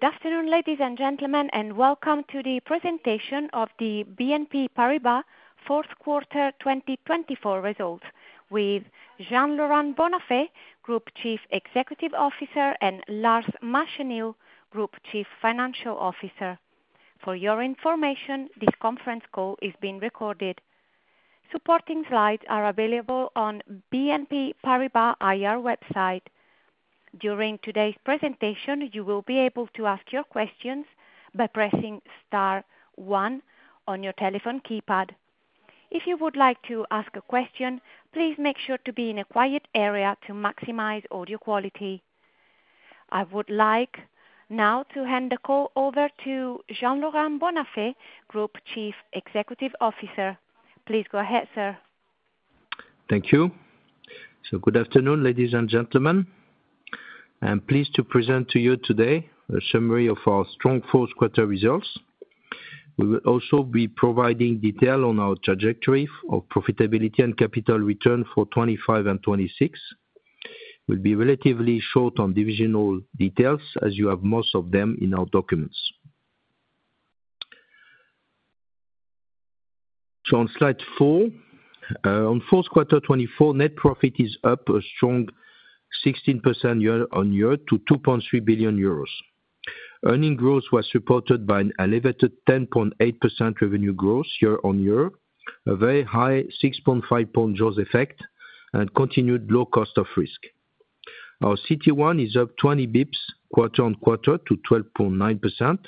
Good afternoon, ladies and gentlemen, and welcome to the presentation of the BNP Paribas Fourth Quarter 2024 Results with Jean-Laurent Bonnafé, Group Chief Executive Officer, and Lars Machenil, Group Chief Financial Officer. For your information, this conference call is being recorded. Supporting slides are available on the BNP Paribas IR website. During today's presentation, you will be able to ask your questions by pressing star one on your telephone keypad. If you would like to ask a question, please make sure to be in a quiet area to maximize audio quality. I would like now to hand the call over to Jean-Laurent Bonnafé, Group Chief Executive Officer. Please go ahead, sir. Thank you. So good afternoon, ladies and gentlemen. I'm pleased to present to you today a summary of our strong fourth quarter results. We will also be providing detail on our trajectory of profitability and capital return for 2025 and 2026. We'll be relatively short on divisional details as you have most of them in our documents. So on slide four, on fourth quarter 2024, net profit is up a strong 16% year on year to 2.3 billion euros. Earnings growth was supported by an elevated 10.8% revenue growth year on year, a very high 6.5-point growth effect, and continued low cost of risk. Our CET1 is up 20 basis points quarter on quarter to 12.9%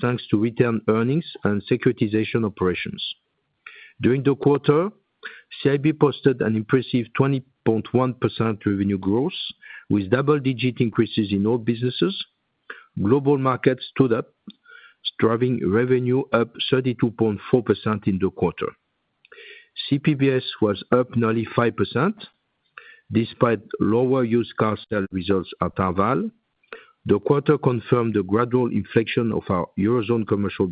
thanks to retained earnings and securitization operations. During the quarter, CIB posted an impressive 20.1% revenue growth with double-digit increases in all businesses. Global Markets stood out, driving revenue up 32.4% in the quarter. CPBS was up nearly 5% despite lower used car sale results at Arval. The quarter confirmed the gradual inflection of our Eurozone commercial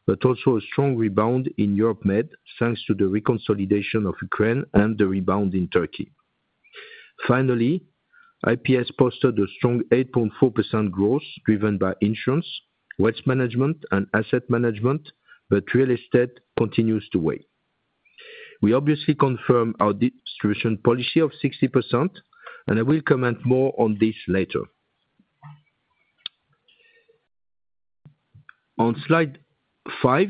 banks, but also a strong rebound in Europe-Med thanks to the reconsolidation of Ukraine and the rebound in Turkey. Finally, IPS posted a strong 8.4% growth driven by Insurance, Wealth Management, and Asset Management, but Real Estate continues to weigh. We obviously confirm our distribution policy of 60%, and I will comment more on this later. On slide five,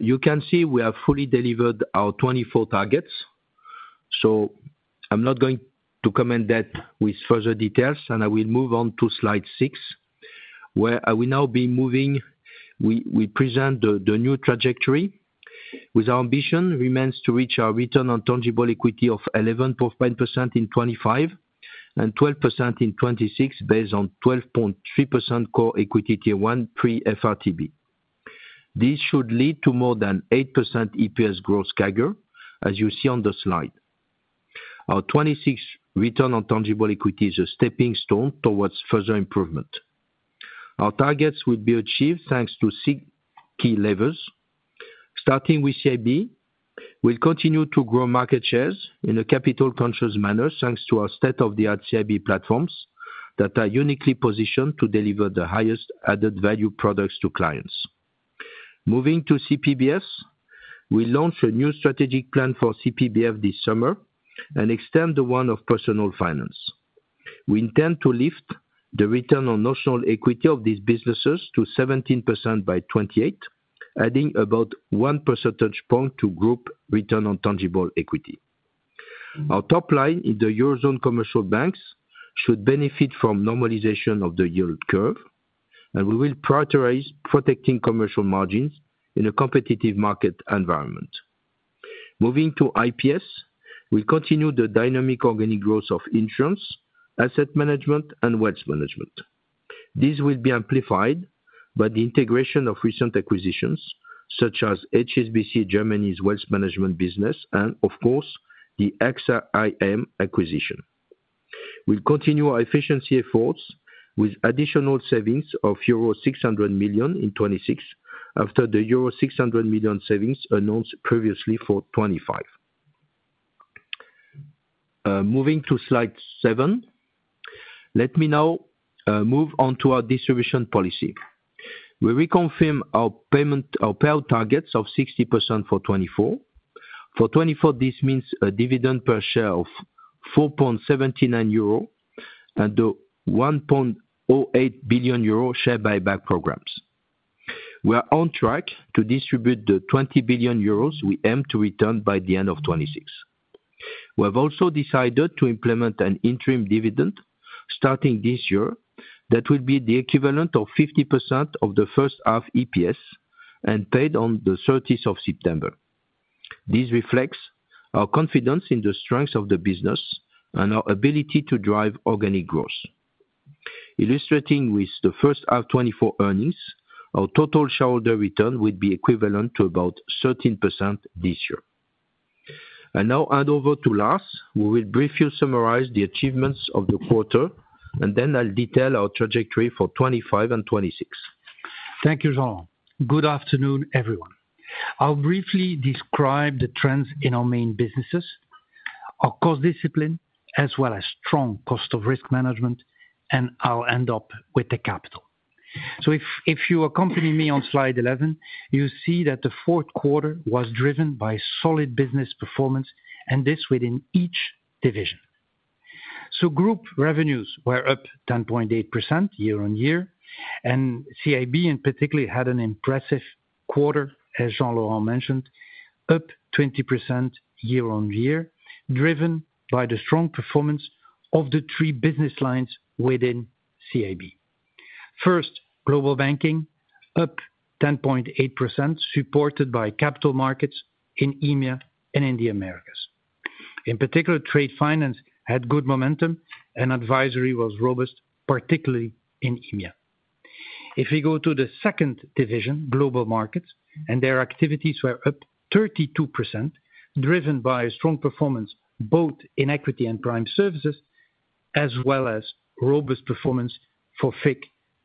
you can see we have fully delivered our 2024 targets. So I'm not going to comment that with further details, and I will move on to slide six where I will now be moving. We present the new trajectory with our ambition remains to reach our return on tangible equity of 11.5% in 2025 and 12% in 2026 based on 12.3% Core Equity Tier 1 pre-FRTB. This should lead to more than 8% EPS growth CAGR, as you see on the slide. Our 2026 return on tangible equity is a stepping stone towards further improvement. Our targets will be achieved thanks to six key levers. Starting with CIB, we'll continue to grow market shares in a capital-conscious manner thanks to our state-of-the-art CIB platforms that are uniquely positioned to deliver the highest added value products to clients. Moving to CPBS, we launched a new strategic plan for CPBF this summer and extend the one of Personal Finance. We intend to lift the return on notional equity of these businesses to 17% by 2028, adding about one percentage point to group return on tangible equity. Our top line in the Eurozone commercial banks should benefit from normalization of the yield curve, and we will prioritize protecting commercial margins in a competitive market environment. Moving to IPS, we continue the dynamic organic growth of Insurance, Asset Management, and Wealth Management. These will be amplified by the integration of recent acquisitions such as HSBC Germany's Wealth Management business and, of course, the AXA IM acquisition. We'll continue our efficiency efforts with additional savings of euro 600 million in 2026 after the euro 600 million savings announced previously for 2025. Moving to slide seven, let me now move on to our distribution policy. We reconfirm our payment, our payout targets of 60% for 2024. For 2024, this means a dividend per share of 4.79 euro and the 1.08 billion euro share buyback programs. We are on track to distribute the 20 billion euros we aim to return by the end of 2026. We have also decided to implement an interim dividend starting this year that will be the equivalent of 50% of the first half EPS and paid on the 30th of September. This reflects our confidence in the strength of the business and our ability to drive organic growth. Illustrating with the first half 2024 earnings, our total shareholder return would be equivalent to about 13% this year. Now I'll hand over to Lars, who will brief you, summarize the achievements of the quarter, and then I'll detail our trajectory for 2025 and 2026. Thank you, Jean-Laurent. Good afternoon, everyone. I'll briefly describe the trends in our main businesses, our cost discipline, as well as strong cost of risk management, and I'll end up with the capital. So if you accompany me on slide 11, you see that the fourth quarter was driven by solid business performance, and this within each division. So group revenues were up 10.8% year on year, and CIB in particular had an impressive quarter, as Jean-Laurent mentioned, up 20% year on year, driven by the strong performance of the three business lines within CIB. First, Global Banking up 10.8%, supported by Capital Markets in EMEA and in the Americas. In particular, trade finance had good momentum and advisory was robust, particularly in EMEA. If we go to the second division, Global Markets, and their activities were up 32%, driven by strong performance both in equity and Prime Services, as well as robust performance for FICC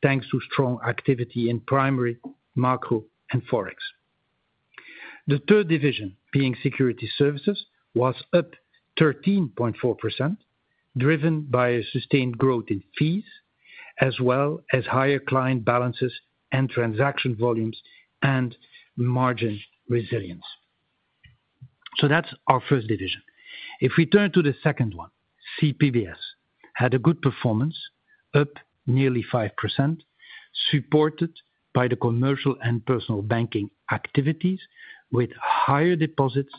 thanks to strong activity in primary, macro, and forex. The third division, being Securities Services, was up 13.4%, driven by sustained growth in fees, as well as higher client balances and transaction volumes and margin resilience. That's our first division. If we turn to the second one, CPBS had a good performance, up nearly 5%, supported by the commercial and personal banking activities with higher deposits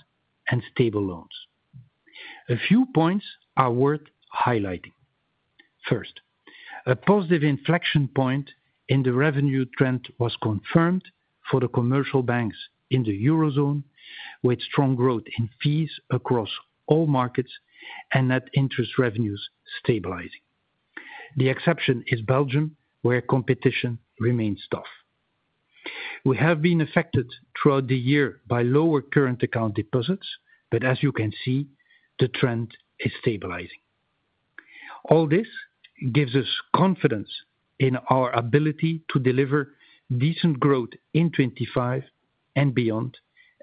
and stable loans. A few points are worth highlighting. First, a positive inflection point in the revenue trend was confirmed for the commercial banks in the Eurozone with strong growth in fees across all markets and net interest revenues stabilizing. The exception is Belgium, where competition remains tough. We have been affected throughout the year by lower current account deposits, but as you can see, the trend is stabilizing. All this gives us confidence in our ability to deliver decent growth in 2025 and beyond,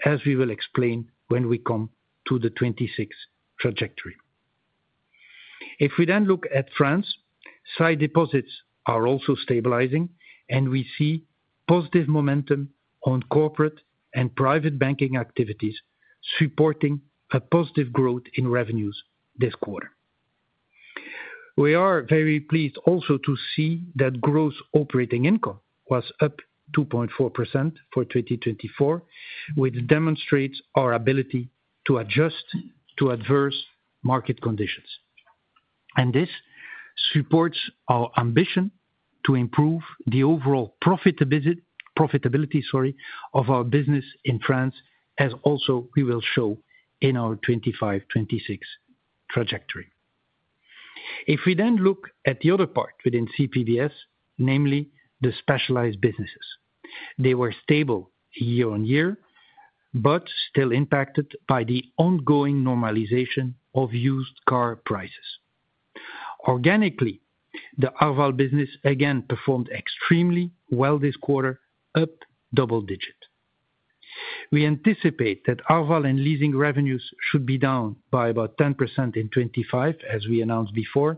as we will explain when we come to the 2026 trajectory. If we then look at France sight deposits are also stabilizing, and we see positive momentum on corporate and private banking activities supporting a positive growth in revenues this quarter. We are very pleased also to see that gross operating income was up 2.4% for 2024, which demonstrates our ability to adjust to adverse market conditions, and this supports our ambition to improve the overall profitability of our business in France, as also we will show in our 2025-2026 trajectory. If we then look at the other part within CPBS, namely the Specialized Businesses, they were stable year on year, but still impacted by the ongoing normalization of used car prices. Organically, the Arval business again performed extremely well this quarter, up double-digit. We anticipate that Arval and leasing revenues should be down by about 10% in 2025, as we announced before,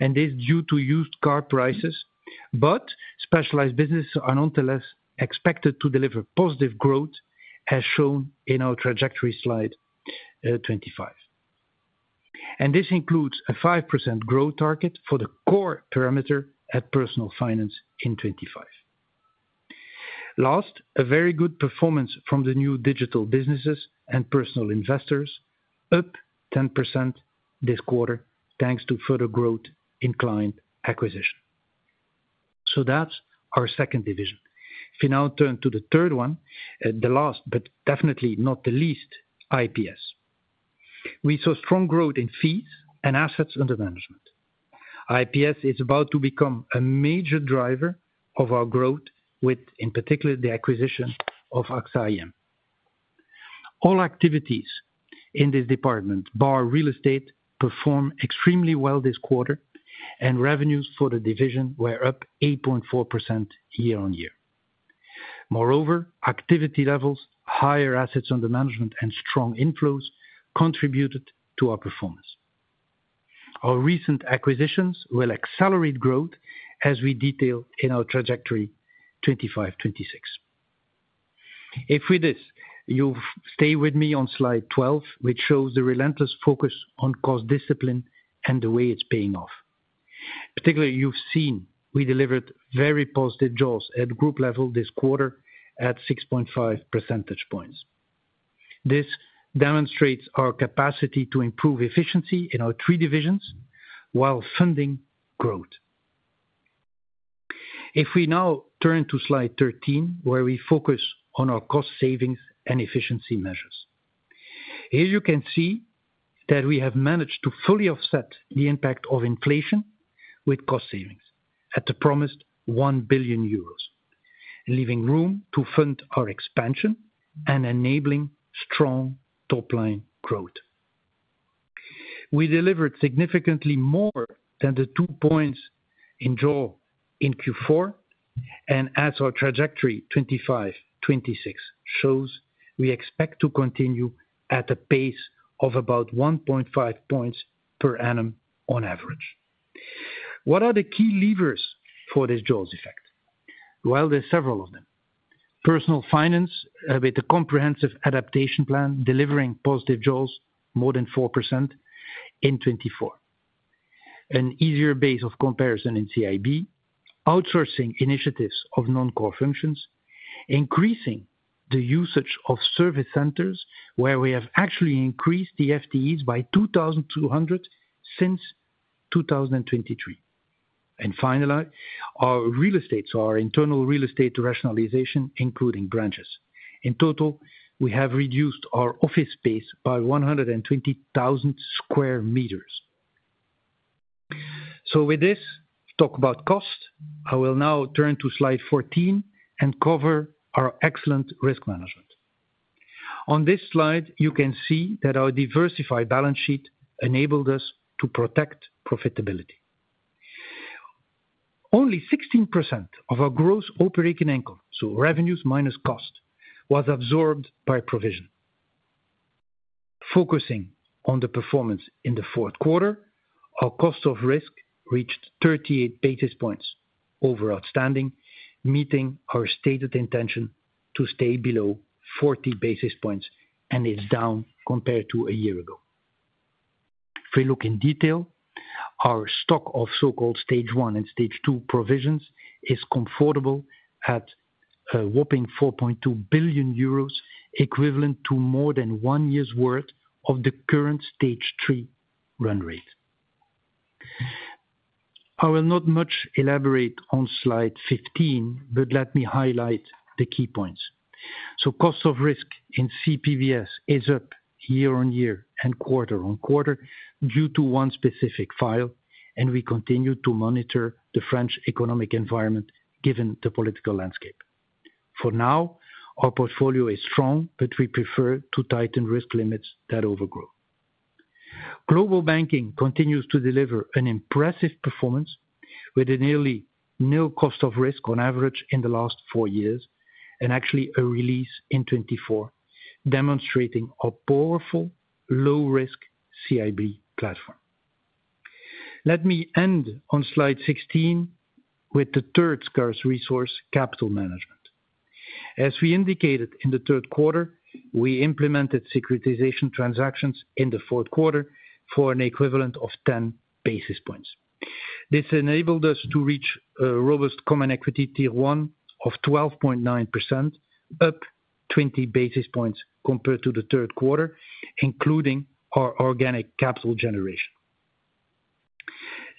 and this is due to used car prices, but Specialized Businesses are nonetheless expected to deliver positive growth, as shown in our trajectory slide 2025, and this includes a 5% growth target for the core parameter at Personal Finance in 2025. Last, a very good performance from the New Digital Businesses and Personal Investors, up 10% this quarter thanks to further growth in client acquisition, so that's our second division. If we now turn to the third one, the last but definitely not the least, IPS. We saw strong growth in fees and assets under management. IPS is about to become a major driver of our growth with, in particular, the acquisition of AXA IM. All activities in this department bar Real Estate performed extremely well this quarter, and revenues for the division were up 8.4% year on year. Moreover, activity levels, higher assets under management, and strong inflows contributed to our performance. Our recent acquisitions will accelerate growth as we detail in our trajectory 2025-2026. With this, you'll stay with me on slide 12, which shows the relentless focus on cost discipline and the way it's paying off. Particularly, you've seen we delivered very positive jaws at group level this quarter at 6.5 percentage points. This demonstrates our capacity to improve efficiency in our three divisions while funding growth. If we now turn to slide 13, where we focus on our cost savings and efficiency measures. Here you can see that we have managed to fully offset the impact of inflation with cost savings at the promised 1 billion euros, leaving room to fund our expansion and enabling strong top-line growth. We delivered significantly more than the two points in jaws in Q4, and as our trajectory 2025-2026 shows, we expect to continue at a pace of about 1.5 points per annum on average. What are the key levers for this jaws effect? Well, there are several of them. Personal Finance with a comprehensive adaptation plan delivering positive jaws more than 4% in 2024. An easier base of comparison in CIB, outsourcing initiatives of non-core functions, increasing the usage of service centers where we have actually increased the FTEs by 2,200 since 2023. Finally, our Real Estate, so our internal Real Estate rationalization, including branches. In total, we have reduced our office space by 120,000 square meters. With this talk about cost, I will now turn to slide 14 and cover our excellent risk management. On this slide, you can see that our diversified balance sheet enabled us to protect profitability. Only 16% of our gross operating income, so revenues minus cost, was absorbed by provision. Focusing on the performance in the fourth quarter, our cost of risk reached 38 basis points over outstanding, meeting our stated intention to stay below 40 basis points and is down compared to a year ago. If we look in detail, our stock of so-called stage one and stage two provisions is comfortable at a whopping 4.2 billion euros, equivalent to more than one year's worth of the current stage three run rate. I will not much elaborate on slide 15, but let me highlight the key points. So cost of risk in CPBS is up year on year and quarter on quarter due to one specific file, and we continue to monitor the French economic environment given the political landscape. For now, our portfolio is strong, but we prefer to tighten risk limits that overgrow. Global Banking continues to deliver an impressive performance with a nearly no cost of risk on average in the last four years and actually a release in 2024, demonstrating a powerful low-risk CIB platform. Let me end on slide 16 with the third scarce resource, capital management. As we indicated in the third quarter, we implemented securitization transactions in the fourth quarter for an equivalent of 10 basis points. This enabled us to reach a robust Common Equity Tier 1 of 12.9%, up 20 basis points compared to the third quarter, including our organic capital generation.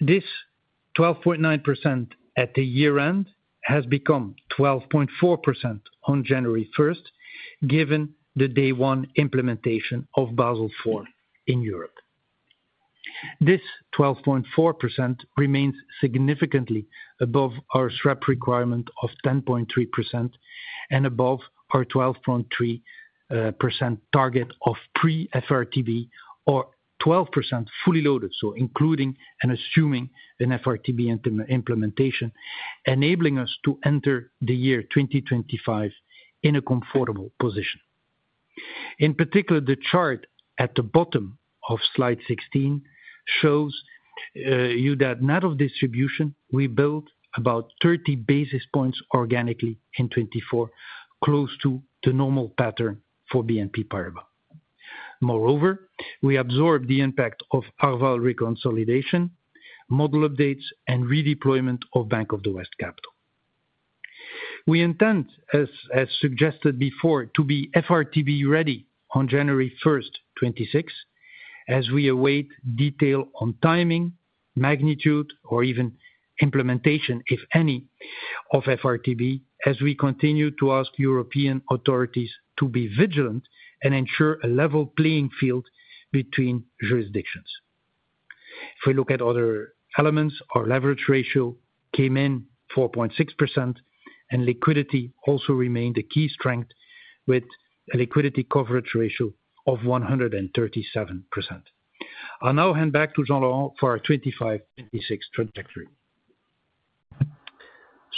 This 12.9% at the year end has become 12.4% on January 1st, given the day one implementation of Basel IV in Europe. This 12.4% remains significantly above our SREP requirement of 10.3% and above our 12.3% target of pre-FRTB, or 12% fully loaded, so including and assuming an FRTB implementation, enabling us to enter the year 2025 in a comfortable position. In particular, the chart at the bottom of slide 16 shows you that net of distribution, we built about 30 basis points organically in 2024, close to the normal pattern for BNP Paribas. Moreover, we absorbed the impact of Arval reconciliation, model updates, and redeployment of Bank of the West capital. We intend, as suggested before, to be FRTB ready on January 1st, 2026, as we await detail on timing, magnitude, or even implementation, if any, of FRTB, as we continue to ask European authorities to be vigilant and ensure a level playing field between jurisdictions. If we look at other elements, our leverage ratio came in 4.6%, and liquidity also remained a key strength with a liquidity coverage ratio of 137%. I'll now hand back to Jean-Laurent for our 2025-2026 trajectory.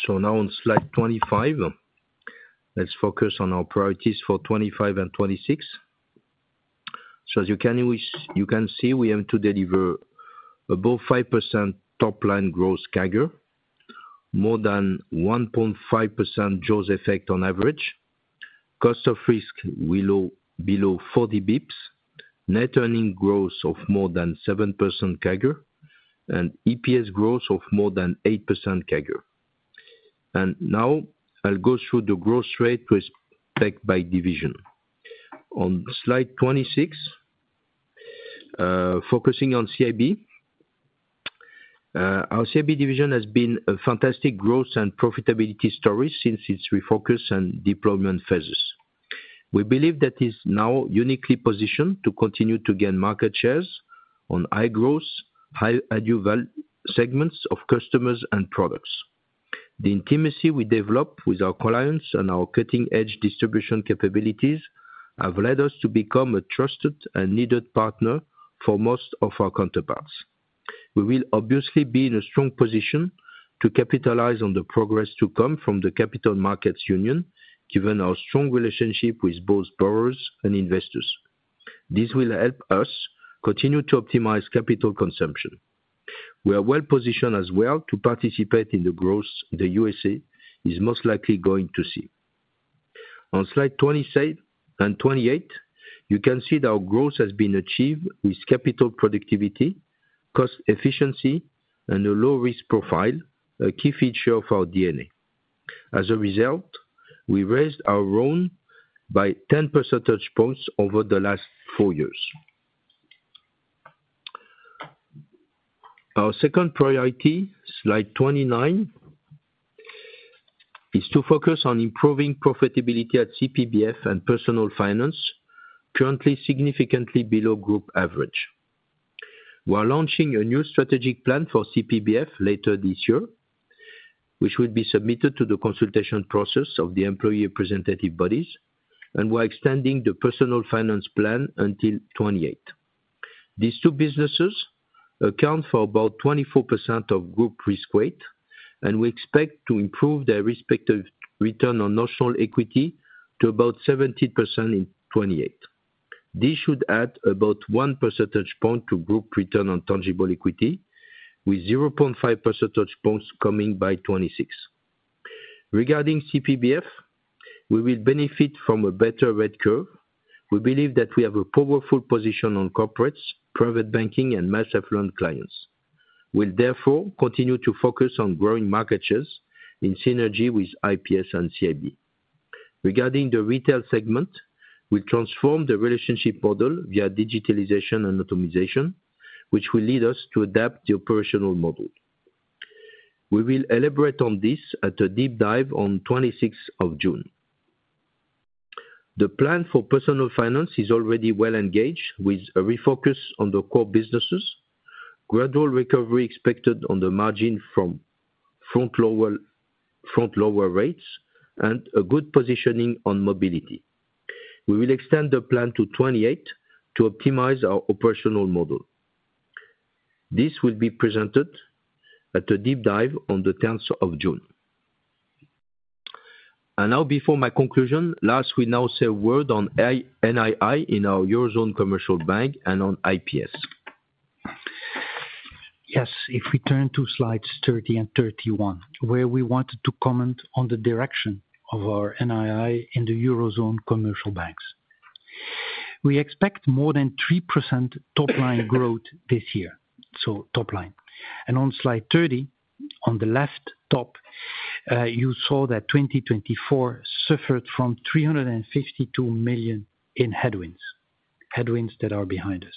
Now on slide 25, let's focus on our priorities for 2025 and 2026. As you can see, we aim to deliver above 5% top-line growth CAGR, more than 1.5% jaws effect on average, cost of risk below 40 basis points, net earnings growth of more than 7% CAGR, and EPS growth of more than 8% CAGR. Now I'll go through the growth rate breakdown by division. On slide 26, focusing on CIB, our CIB division has been a fantastic growth and profitability story since its refocus and deployment phases. We believe that it is now uniquely positioned to continue to gain market shares on high growth, high added value segments of customers and products. The intimacy we develop with our clients and our cutting-edge distribution capabilities have led us to become a trusted and needed partner for most of our counterparts. We will obviously be in a strong position to capitalize on the progress to come from the Capital Markets Union, given our strong relationship with both borrowers and investors. This will help us continue to optimize capital consumption. We are well positioned as well to participate in the growth the U.S.A. is most likely going to see. On slide 27 and 28, you can see that our growth has been achieved with capital productivity, cost efficiency, and a low-risk profile, a key feature of our DNA. As a result, we raised our RONE by 10 percentage points over the last four years. Our second priority, slide 29, is to focus on improving profitability at CPBF and Personal Finance, currently significantly below group average. We are launching a new strategic plan for CPBF later this year, which will be submitted to the consultation process of the employee representative bodies, and we are extending the Personal Finance plan until 2028. These two businesses account for about 24% of group risk weight, and we expect to improve their respective return on notional equity to about 70% in 2028. This should add about 1 percentage point to group return on tangible equity, with 0.5 percentage points coming by 2026. Regarding CPBF, we will benefit from a better rate curve. We believe that we have a powerful position on corporates, private banking, and mass affluent clients. We'll therefore continue to focus on growing market shares in synergy with IPS and CIB. Regarding the retail segment, we'll transform the relationship model via digitalization and optimization, which will lead us to adapt the operational model. We will elaborate on this at a deep dive on 26th of June. The plan for Personal Finance is already well engaged with a refocus on the core businesses, gradual recovery expected on the margin from front lower rates, and a good positioning on mobility. We will extend the plan to 2028 to optimize our operational model. This will be presented at a deep dive on the 10th of June, and now, before my conclusion, lastly, we now say a word on NII in our Eurozone commercial bank and on IPS. Yes, if we turn to slides 30 and 31, where we wanted to comment on the direction of our NII in the Eurozone commercial banks. We expect more than 3% top-line growth this year, so top-line. On slide 30, on the left top, you saw that 2024 suffered from 352 million in headwinds, headwinds that are behind us.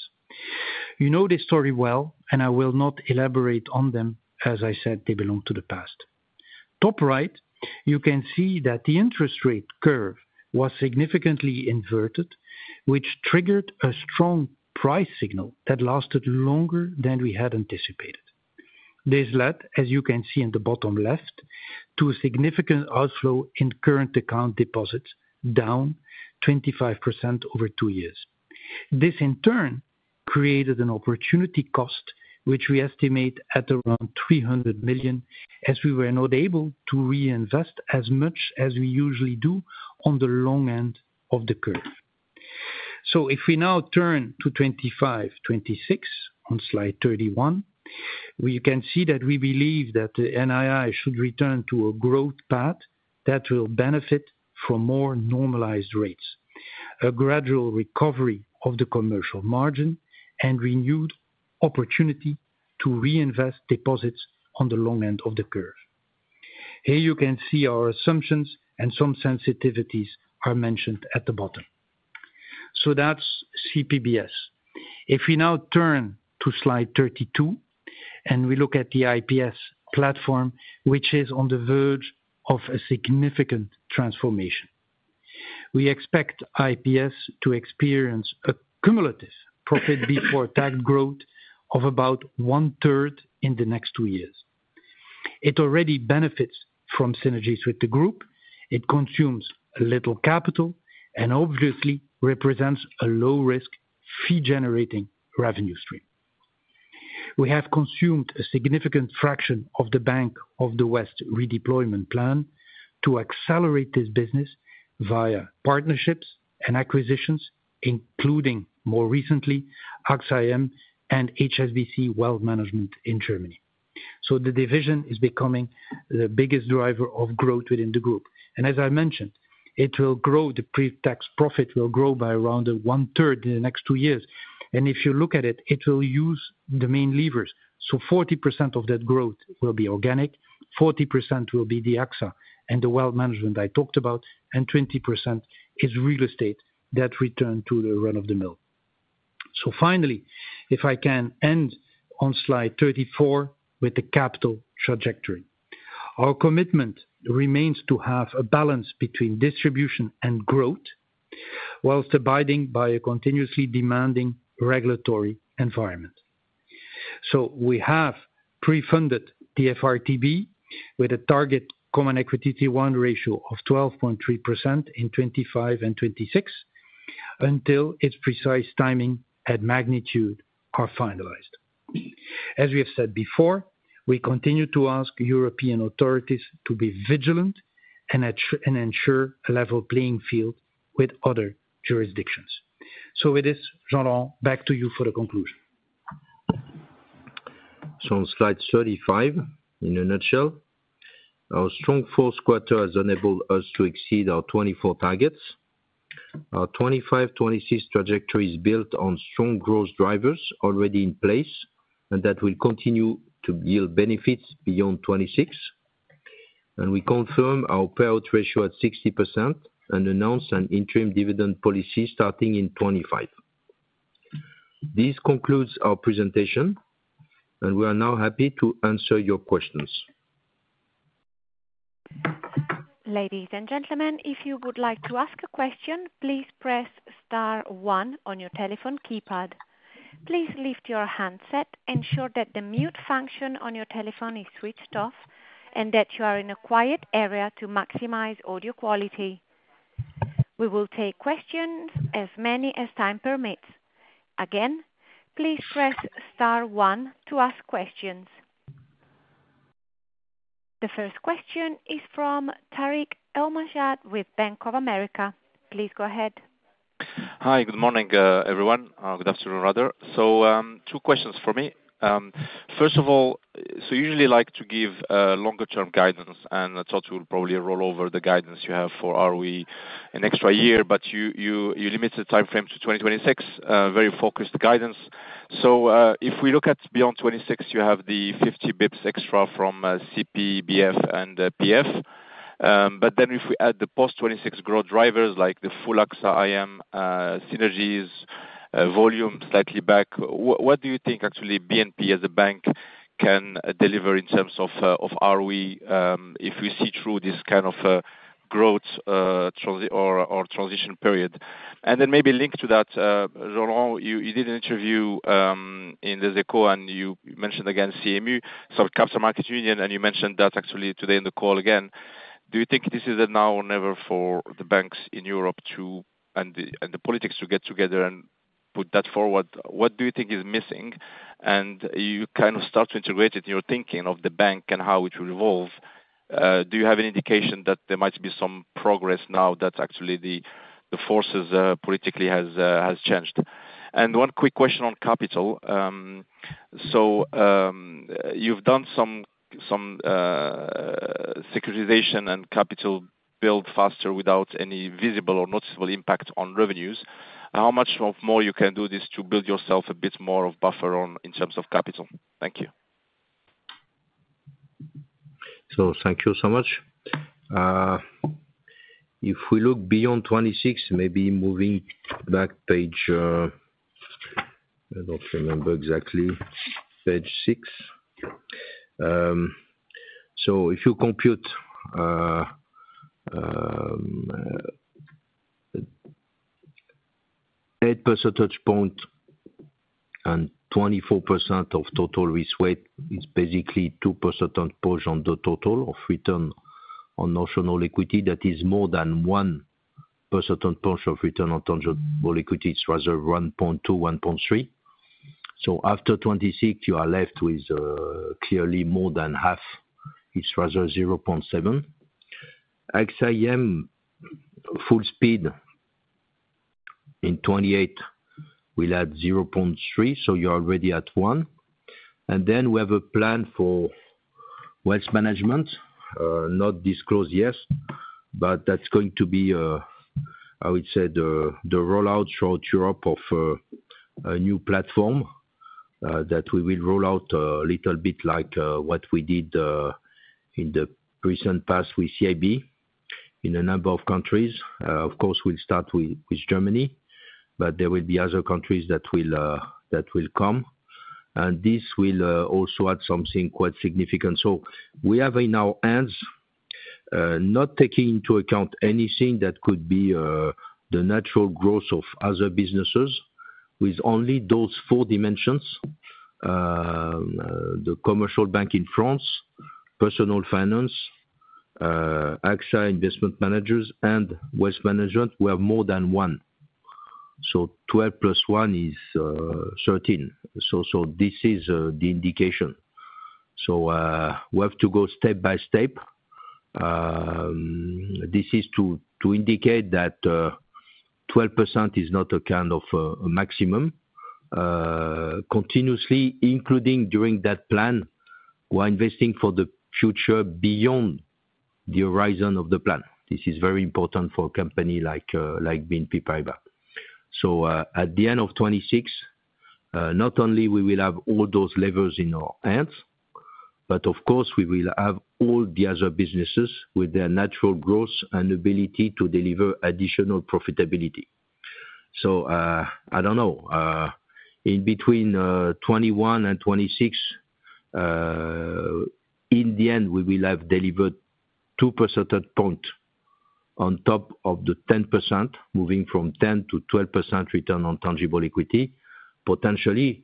You know this story well, and I will not elaborate on them. As I said, they belong to the past. Top right, you can see that the interest rate curve was significantly inverted, which triggered a strong price signal that lasted longer than we had anticipated. This led, as you can see in the bottom left, to a significant outflow in current account deposits down 25% over two years. This, in turn, created an opportunity cost, which we estimate at around 300 million, as we were not able to reinvest as much as we usually do on the long end of the curve. If we now turn to 2025-2026 on slide 31, we can see that we believe that the NII should return to a growth path that will benefit from more normalized rates, a gradual recovery of the commercial margin, and renewed opportunity to reinvest deposits on the long end of the curve. Here you can see our assumptions, and some sensitivities are mentioned at the bottom. That's CPBS. If we now turn to slide 32 and we look at the IPS platform, which is on the verge of a significant transformation, we expect IPS to experience a cumulative profit before tax growth of about one-third in the next two years. It already benefits from synergies with the group. It consumes little capital and obviously represents a low-risk fee-generating revenue stream. We have consumed a significant fraction of the Bank of the West redeployment plan to accelerate this business via partnerships and acquisitions, including more recently AXA IM and HSBC Wealth Management in Germany. So the division is becoming the biggest driver of growth within the group. And as I mentioned, it will grow; the pre-tax profit will grow by around one-third in the next two years. And if you look at it, it will use the main levers. So 40% of that growth will be organic, 40% will be the AXA and the Wealth Management I talked about, and 20% is Real Estate that returned to the run-of-the-mill. Finally, if I can end on slide 34 with the capital trajectory, our commitment remains to have a balance between distribution and growth while abiding by a continuously demanding regulatory environment. We have pre-funded the FRTB with a target Common Equity Tier 1 ratio of 12.3% in 2025 and 2026 until its precise timing and magnitude are finalized. As we have said before, we continue to ask European authorities to be vigilant and ensure a level playing field with other jurisdictions. With this, Jean-Laurent, back to you for the conclusion. So on slide 35, in a nutshell, our strong fourth quarter has enabled us to exceed our 2024 targets. Our 2025-2026 trajectory is built on strong growth drivers already in place and that will continue to yield benefits beyond 2026. And we confirm our payout ratio at 60% and announce an interim dividend policy starting in 2025. This concludes our presentation, and we are now happy to answer your questions. Ladies and gentlemen, if you would like to ask a question, please press star one on your telephone keypad. Please lift your handset, ensure that the mute function on your telephone is switched off, and that you are in a quiet area to maximize audio quality. We will take questions as many as time permits. Again, please press star one to ask questions. The first question is from Tarik El Mejjad with Bank of America. Please go ahead. Hi, good morning, everyone. Good afternoon, rather. Two questions for me. First of all, usually I like to give longer-term guidance, and I thought we'll probably roll over the guidance you have for ROE in extra year, but you limited the timeframe to 2026, very focused guidance. If we look at beyond 2026, you have the 50 basis points extra from CPBF and PF, but then if we add the post-2026 growth drivers like the full AXA IM, synergies, volume slightly back, what do you think actually BNP as a bank can deliver in terms of ROE if we see through this kind of growth or transition period? Then maybe link to that, Jean-Laurent, you did an interview in Les Échos and you mentioned again CMU, so Capital Markets Union, and you mentioned that actually today in the call again. Do you think this is a now or never for the banks in Europe and the politics to get together and put that forward? What do you think is missing? And you kind of start to integrate it in your thinking of the bank and how it will evolve. Do you have an indication that there might be some progress now that actually the forces politically have changed? And one quick question on capital. So you've done some securitization and capital build faster without any visible or noticeable impact on revenues. How much more you can do this to build yourself a bit more of buffer in terms of capital? Thank you. Thank you so much. If we look beyond 2026, maybe moving back page, I don't remember exactly, page six. If you compute 8 percentage points and 24% of total risk weight, it's basically 2 percentage points on the total of return on notional equity. That is more than 1 percentage point of return on tangible equity, it's rather 1.2, 1.3. After 2026, you are left with clearly more than half, it's rather 0.7. AXA IM Full Speed in 2028 will add 0.3, so you're already at one. And then we have a plan for Wealth Management, not disclosed yet, but that's going to be, I would say, the rollout throughout Europe of a new platform that we will roll out a little bit like what we did in the recent past with CIB in a number of countries. Of course, we'll start with Germany, but there will be other countries that will come. And this will also add something quite significant. So we have in our hands, not taking into account anything that could be the natural growth of other businesses, with only those four dimensions, the commercial bank in France, Personal Finance, AXA Investment Managers, and Wealth Management, we have more than 1. So 12 + 1 is 13. So this is the indication. So we have to go step by step. This is to indicate that 12% is not a kind of maximum. Continuously, including during that plan, we're investing for the future beyond the horizon of the plan. This is very important for a company like BNP Paribas. At the end of 2026, not only will we have all those levers in our hands, but of course, we will have all the other businesses with their natural growth and ability to deliver additional profitability. I don't know. In between 2021 and 2026, in the end, we will have delivered two percentage points on top of the 10%, moving from 10% to 12% return on tangible equity. Potentially,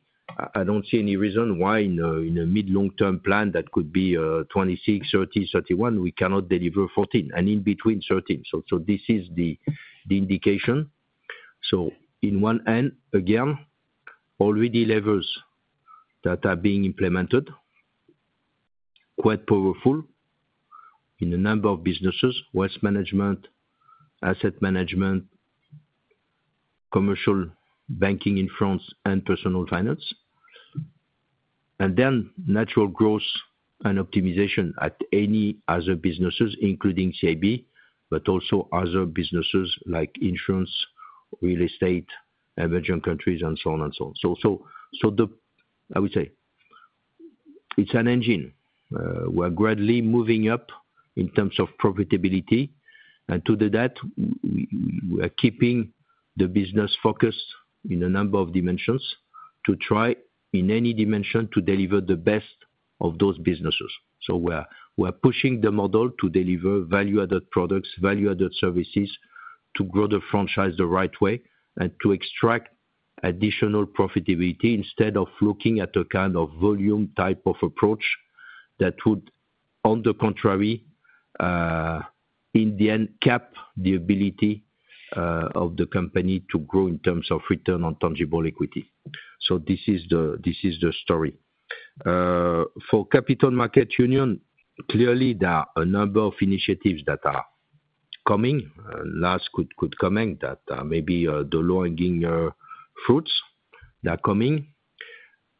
I don't see any reason why in a mid-long-term plan that could be 2026, 2030, 2031, we cannot deliver 14%, and in between 13%. This is the indication. On one end, again, already levers that are being implemented, quite powerful in a number of businesses: Wealth Management, Asset Management, Commercial Banking in France, and Personal Finance. And then natural growth and optimization at any other businesses, including CIB, but also other businesses like Insurance, Real Estate, emerging countries, and so on and so on. So I would say it's an engine. We're gradually moving up in terms of profitability. And to do that, we are keeping the business focused in a number of dimensions to try, in any dimension, to deliver the best of those businesses. So we're pushing the model to deliver value-added products, value-added services to grow the franchise the right way and to extract additional profitability instead of looking at a kind of volume type of approach that would, on the contrary, in the end, cap the ability of the company to grow in terms of return on tangible equity. So this is the story. For Capital Markets Union, clearly, there are a number of initiatives that are coming, last good ones coming, that may be the low-hanging fruits that are coming.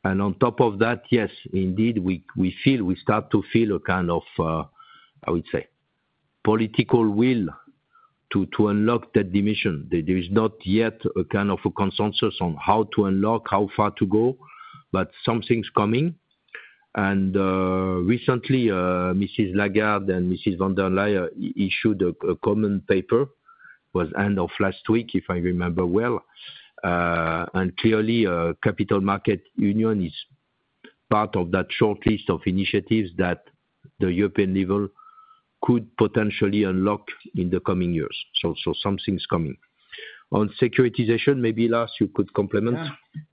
On top of that, yes, indeed, we feel, we start to feel a kind of, I would say, political will to unlock that dimension. There is not yet a kind of consensus on how to unlock, how far to go, but something's coming. And recently, Mrs. Lagarde and Mrs. von der Leyen issued a common paper at the end of last week, if I remember well. And clearly, Capital Markets Union is part of that shortlist of initiatives that the European level could potentially unlock in the coming years. So something's coming. On securitization, maybe Lars, you could complement.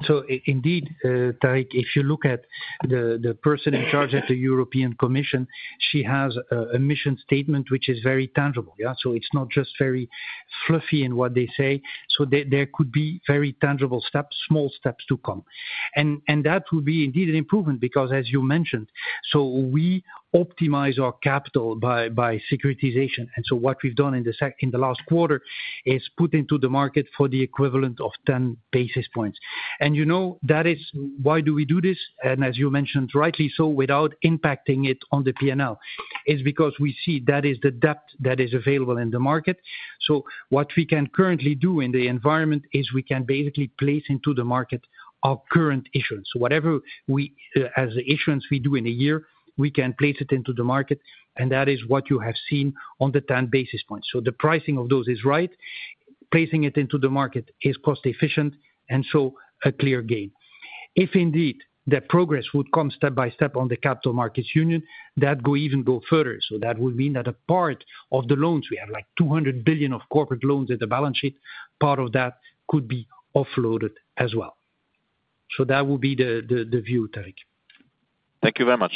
So indeed, Tarik, if you look at the person in charge at the European Commission, she has a mission statement which is very tangible. So it's not just very fluffy in what they say. So there could be very tangible steps, small steps to come. And that will be indeed an improvement because, as you mentioned, so we optimize our capital by securitization. And so what we've done in the last quarter is put into the market for the equivalent of 10 basis points. And you know that is why do we do this? And as you mentioned rightly, so without impacting it on the P&L, is because we see that is the depth that is available in the market. So what we can currently do in the environment is we can basically place into the market our current issuance. Whatever we as the issuance we do in a year, we can place it into the market, and that is what you have seen on the 10 basis points. So the pricing of those is right. Placing it into the market is cost-efficient and so a clear gain. If indeed that progress would come step by step on the Capital Markets Union, that would even go further. So that would mean that a part of the loans we have, like 200 billion of corporate loans at the balance sheet, part of that could be offloaded as well. So that would be the view, Tarik. Thank you very much.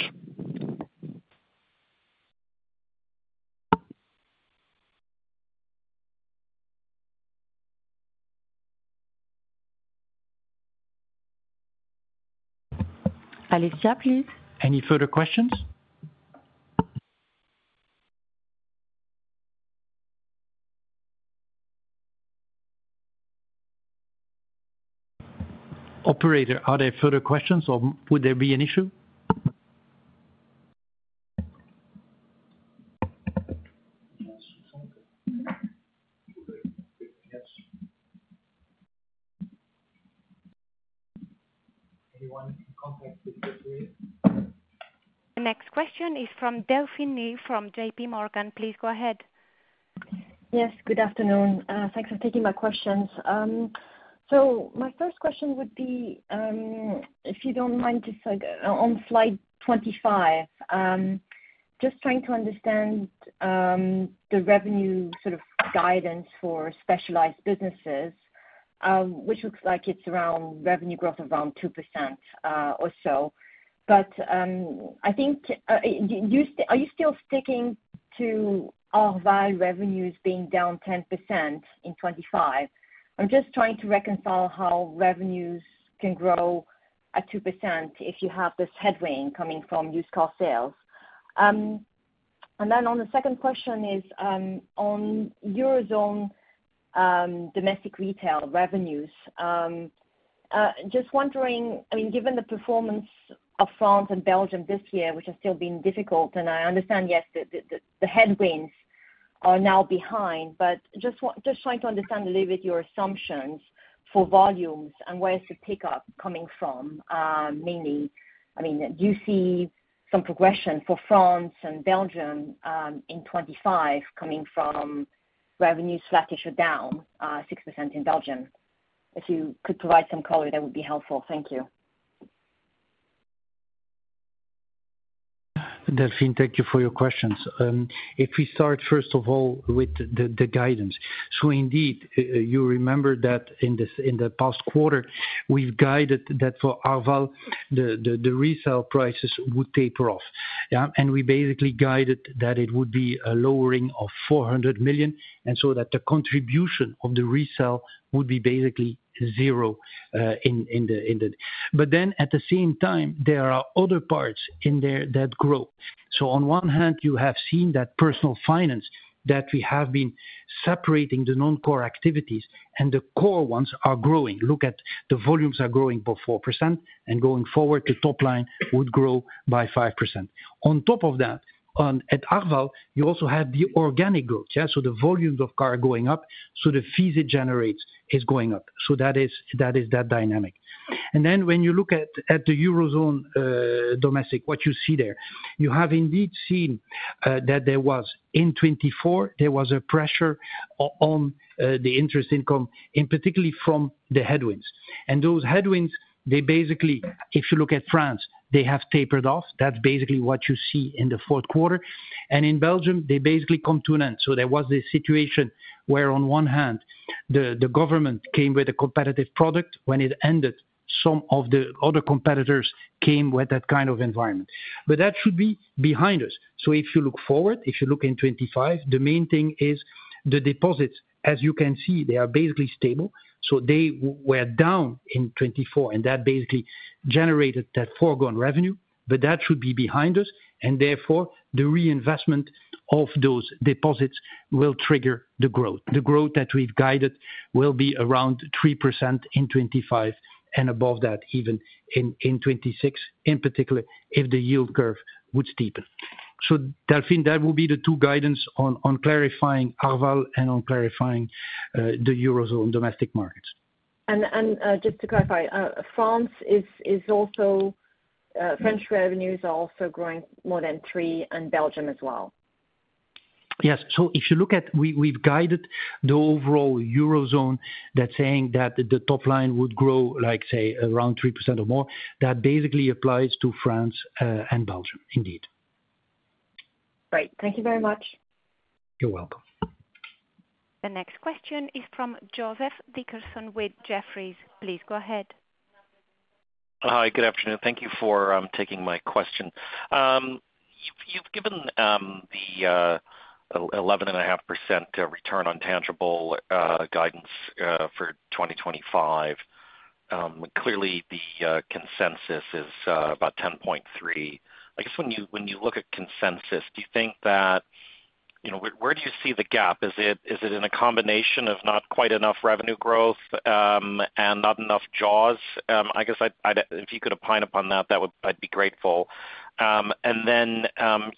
Lars, please. Any further questions? Operator, are there further questions or would there be an issue? The next question is from Delphine Lee from J.P. Morgan. Please go ahead. Yes, good afternoon. Thanks for taking my questions. So my first question would be, if you don't mind, just on slide 25, just trying to understand the revenue sort of guidance for Specialized Businesses, which looks like it's around revenue growth of around 2% or so. But I think are you still sticking to Arval revenues being down 10% in 2025? I'm just trying to reconcile how revenues can grow at 2% if you have this headwind coming from used car sales. And then on the second question is on Eurozone domestic retail revenues. Just wondering, I mean, given the performance of France and Belgium this year, which has still been difficult, and I understand, yes, the headwinds are now behind, but just trying to understand a little bit your assumptions for volumes and where's the pickup coming from, mainly. I mean, do you see some progression for France and Belgium in 2025 coming from revenues slightly shut down, 6% in Belgium? If you could provide some color, that would be helpful. Thank you. Delphine, thank you for your questions. If we start, first of all, with the guidance. So indeed, you remember that in the past quarter, we've guided that for Arval, the resale prices would taper off. And we basically guided that it would be a lowering of 400 million, and so that the contribution of the resale would be basically zero in the. But then at the same time, there are other parts in there that grow. So on one hand, you have seen that Personal Finance that we have been separating the non-core activities, and the core ones are growing. Look at the volumes are growing by 4%, and going forward, the top line would grow by 5%. On top of that, at Arval, you also have the organic growth. So the volume of cars going up, so the fees it generates is going up. So that is that dynamic. Then when you look at the Eurozone domestic, what you see there, you have indeed seen that there was, in 2024, there was a pressure on the interest income, particularly from the headwinds. And those headwinds, they basically, if you look at France, they have tapered off. That's basically what you see in the fourth quarter. And in Belgium, they basically come to an end. So there was this situation where, on one hand, the government came with a competitive product. When it ended, some of the other competitors came with that kind of environment. But that should be behind us. So if you look forward, if you look in 2025, the main thing is the deposits, as you can see, they are basically stable. So they were down in 2024, and that basically generated that foregone revenue. But that should be behind us. Therefore, the reinvestment of those deposits will trigger the growth. The growth that we've guided will be around 3% in 2025 and above that, even in 2026, in particular, if the yield curve would steepen. Delphine, that will be the two guidance on clarifying Arval and on clarifying the Eurozone domestic markets. Just to clarify, French revenues are also growing more than 3%, and Belgium as well. Yes. So if you look at, we've guided the overall Eurozone that's saying that the top line would grow, like, say, around 3% or more. That basically applies to France and Belgium, indeed. Great. Thank you very much. You're welcome. The next question is from Joseph Dickerson with Jefferies. Please go ahead. Hi, good afternoon. Thank you for taking my question. You've given the 11.5% return on tangible guidance for 2025. Clearly, the consensus is about 10.3%. I guess when you look at consensus, do you think that where do you see the gap? Is it in a combination of not quite enough revenue growth and not enough jaws? I guess if you could opine upon that, I'd be grateful, and then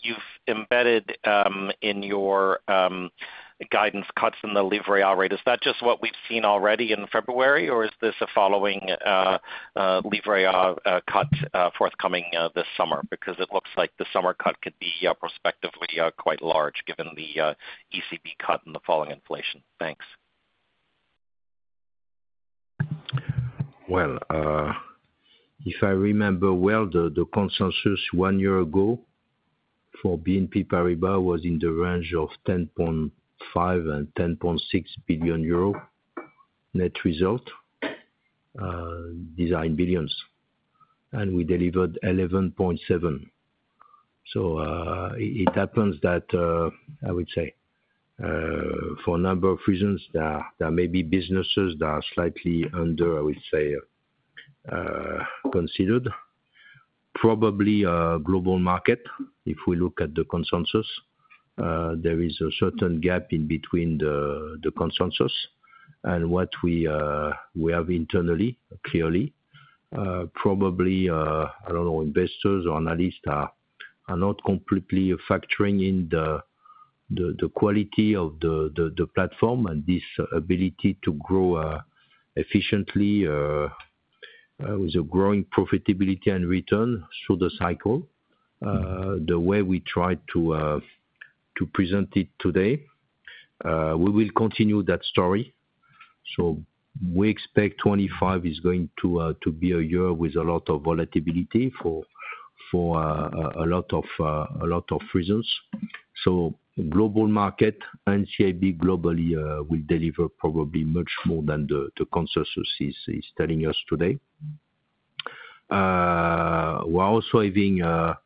you've embedded in your guidance cuts in the Livret A rate. Is that just what we've seen already in February, or is this a following Livret A cut forthcoming this summer? Because it looks like the summer cut could be prospectively quite large given the ECB cut and the falling inflation. Thanks. If I remember well, the consensus one year ago for BNP Paribas was in the range of 10.5 billion-10.6 billion euro net result in billions. We delivered 11.7 billion. It happens that, I would say, for a number of reasons, there may be businesses that are slightly under, I would say, considered. Probably Global Markets, if we look at the consensus. There is a certain gap in between the consensus and what we have internally, clearly. Probably, I don't know, investors or analysts are not completely factoring in the quality of the platform and this ability to grow efficiently with a growing profitability and return through the cycle, the way we tried to present it today. We will continue that story. We expect 2025 is going to be a year with a lot of volatility for a lot of reasons. Global Markets and CIB globally will deliver probably much more than the consensus is telling us today. We're also having a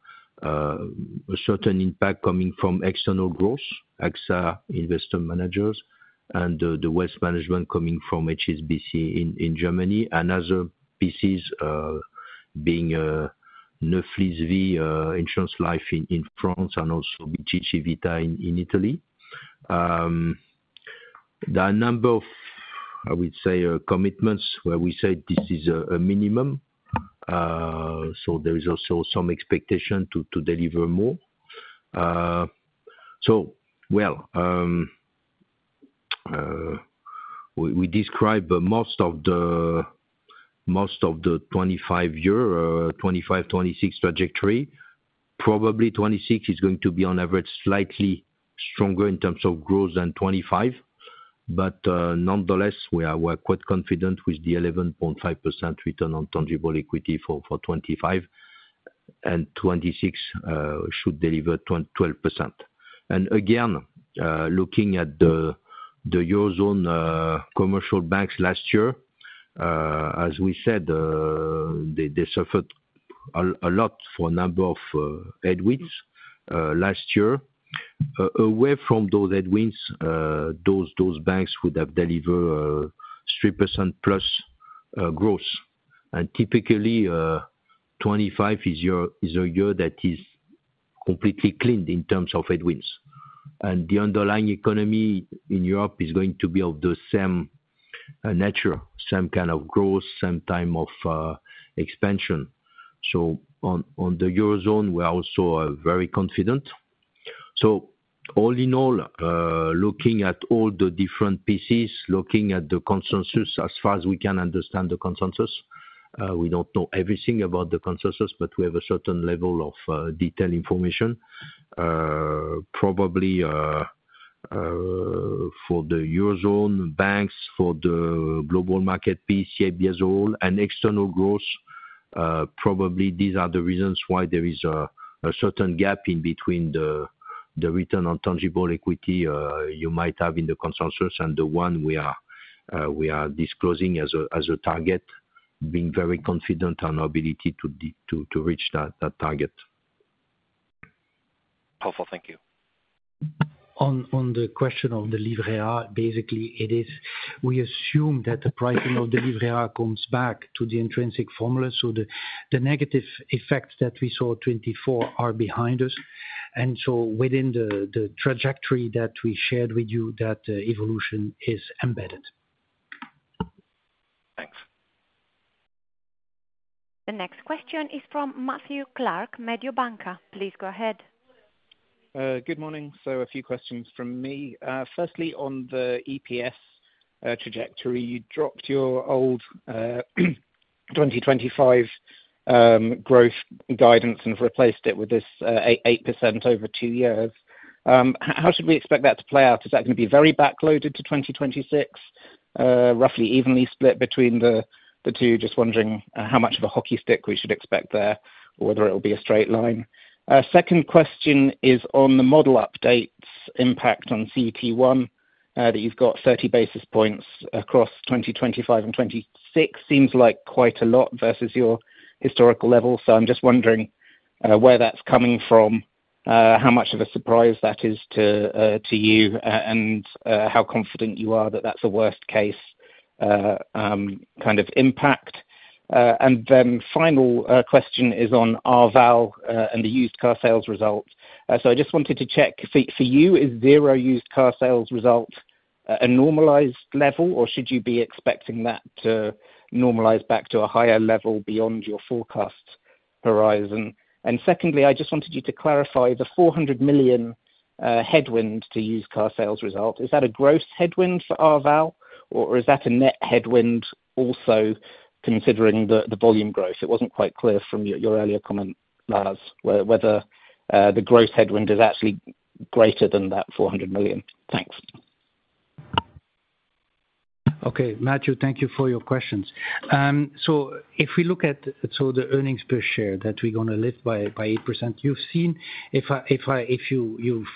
certain impact coming from external growth, AXA Investment Managers, and the Wealth Management coming from HSBC in Germany, and other pieces being Neuflize Vie, life insurance in France, and also BCC Vita in Italy. There are a number of, I would say, commitments where we say this is a minimum. So there is also some expectation to deliver more. Well, we describe most of the 2025-2026 trajectory. Probably 2026 is going to be, on average, slightly stronger in terms of growth than 2025. But nonetheless, we are quite confident with the 11.5% return on tangible equity for 2025, and 2026 should deliver 12%. Again, looking at the Eurozone commercial banks last year, as we said, they suffered a lot for a number of headwinds last year. Away from those headwinds, those banks would have delivered 3%+ growth, and typically, 2025 is a year that is completely cleaned in terms of headwinds. The underlying economy in Europe is going to be of the same nature, same kind of growth, same time of expansion. On the Eurozone, we are also very confident. All in all, looking at all the different pieces, looking at the consensus as far as we can understand the consensus, we don't know everything about the consensus, but we have a certain level of detailed information. Probably for the Eurozone banks, for the global market piece, CIB as a whole, and external growth, probably these are the reasons why there is a certain gap in between the return on tangible equity you might have in the consensus and the one we are disclosing as a target, being very confident on our ability to reach that target. Helpful. Thank you. On the question of the Livret A, basically, it is we assume that the pricing of the Livret A comes back to the intrinsic formula. So the negative effects that we saw 2024 are behind us. And so within the trajectory that we shared with you, that evolution is embedded. Thanks. The next question is from Matthew Clark, Mediobanca. Please go ahead. Good morning. So a few questions from me. Firstly, on the EPS trajectory, you dropped your old 2025 growth guidance and replaced it with this 8% over two years. How should we expect that to play out? Is that going to be very backloaded to 2026, roughly evenly split between the two? Just wondering how much of a hockey stick we should expect there or whether it will be a straight line. Second question is on the model update's impact on CET1 that you've got 30 basis points across 2025 and 2026. Seems like quite a lot versus your historical level. So I'm just wondering where that's coming from, how much of a surprise that is to you, and how confident you are that that's a worst-case kind of impact. And then final question is on Arval and the used car sales result. So I just wanted to check for you, is zero used car sales result a normalized level, or should you be expecting that to normalize back to a higher level beyond your forecast horizon? And secondly, I just wanted you to clarify the 400 million headwind to used car sales result. Is that a gross headwind for Arval, or is that a net headwind also considering the volume growth? It wasn't quite clear from your earlier comment, Lars, whether the gross headwind is actually greater than that 400 million. Thanks. Okay. Matthew, thank you for your questions. So if we look at the earnings per share that we're going to lift by 8%, you've seen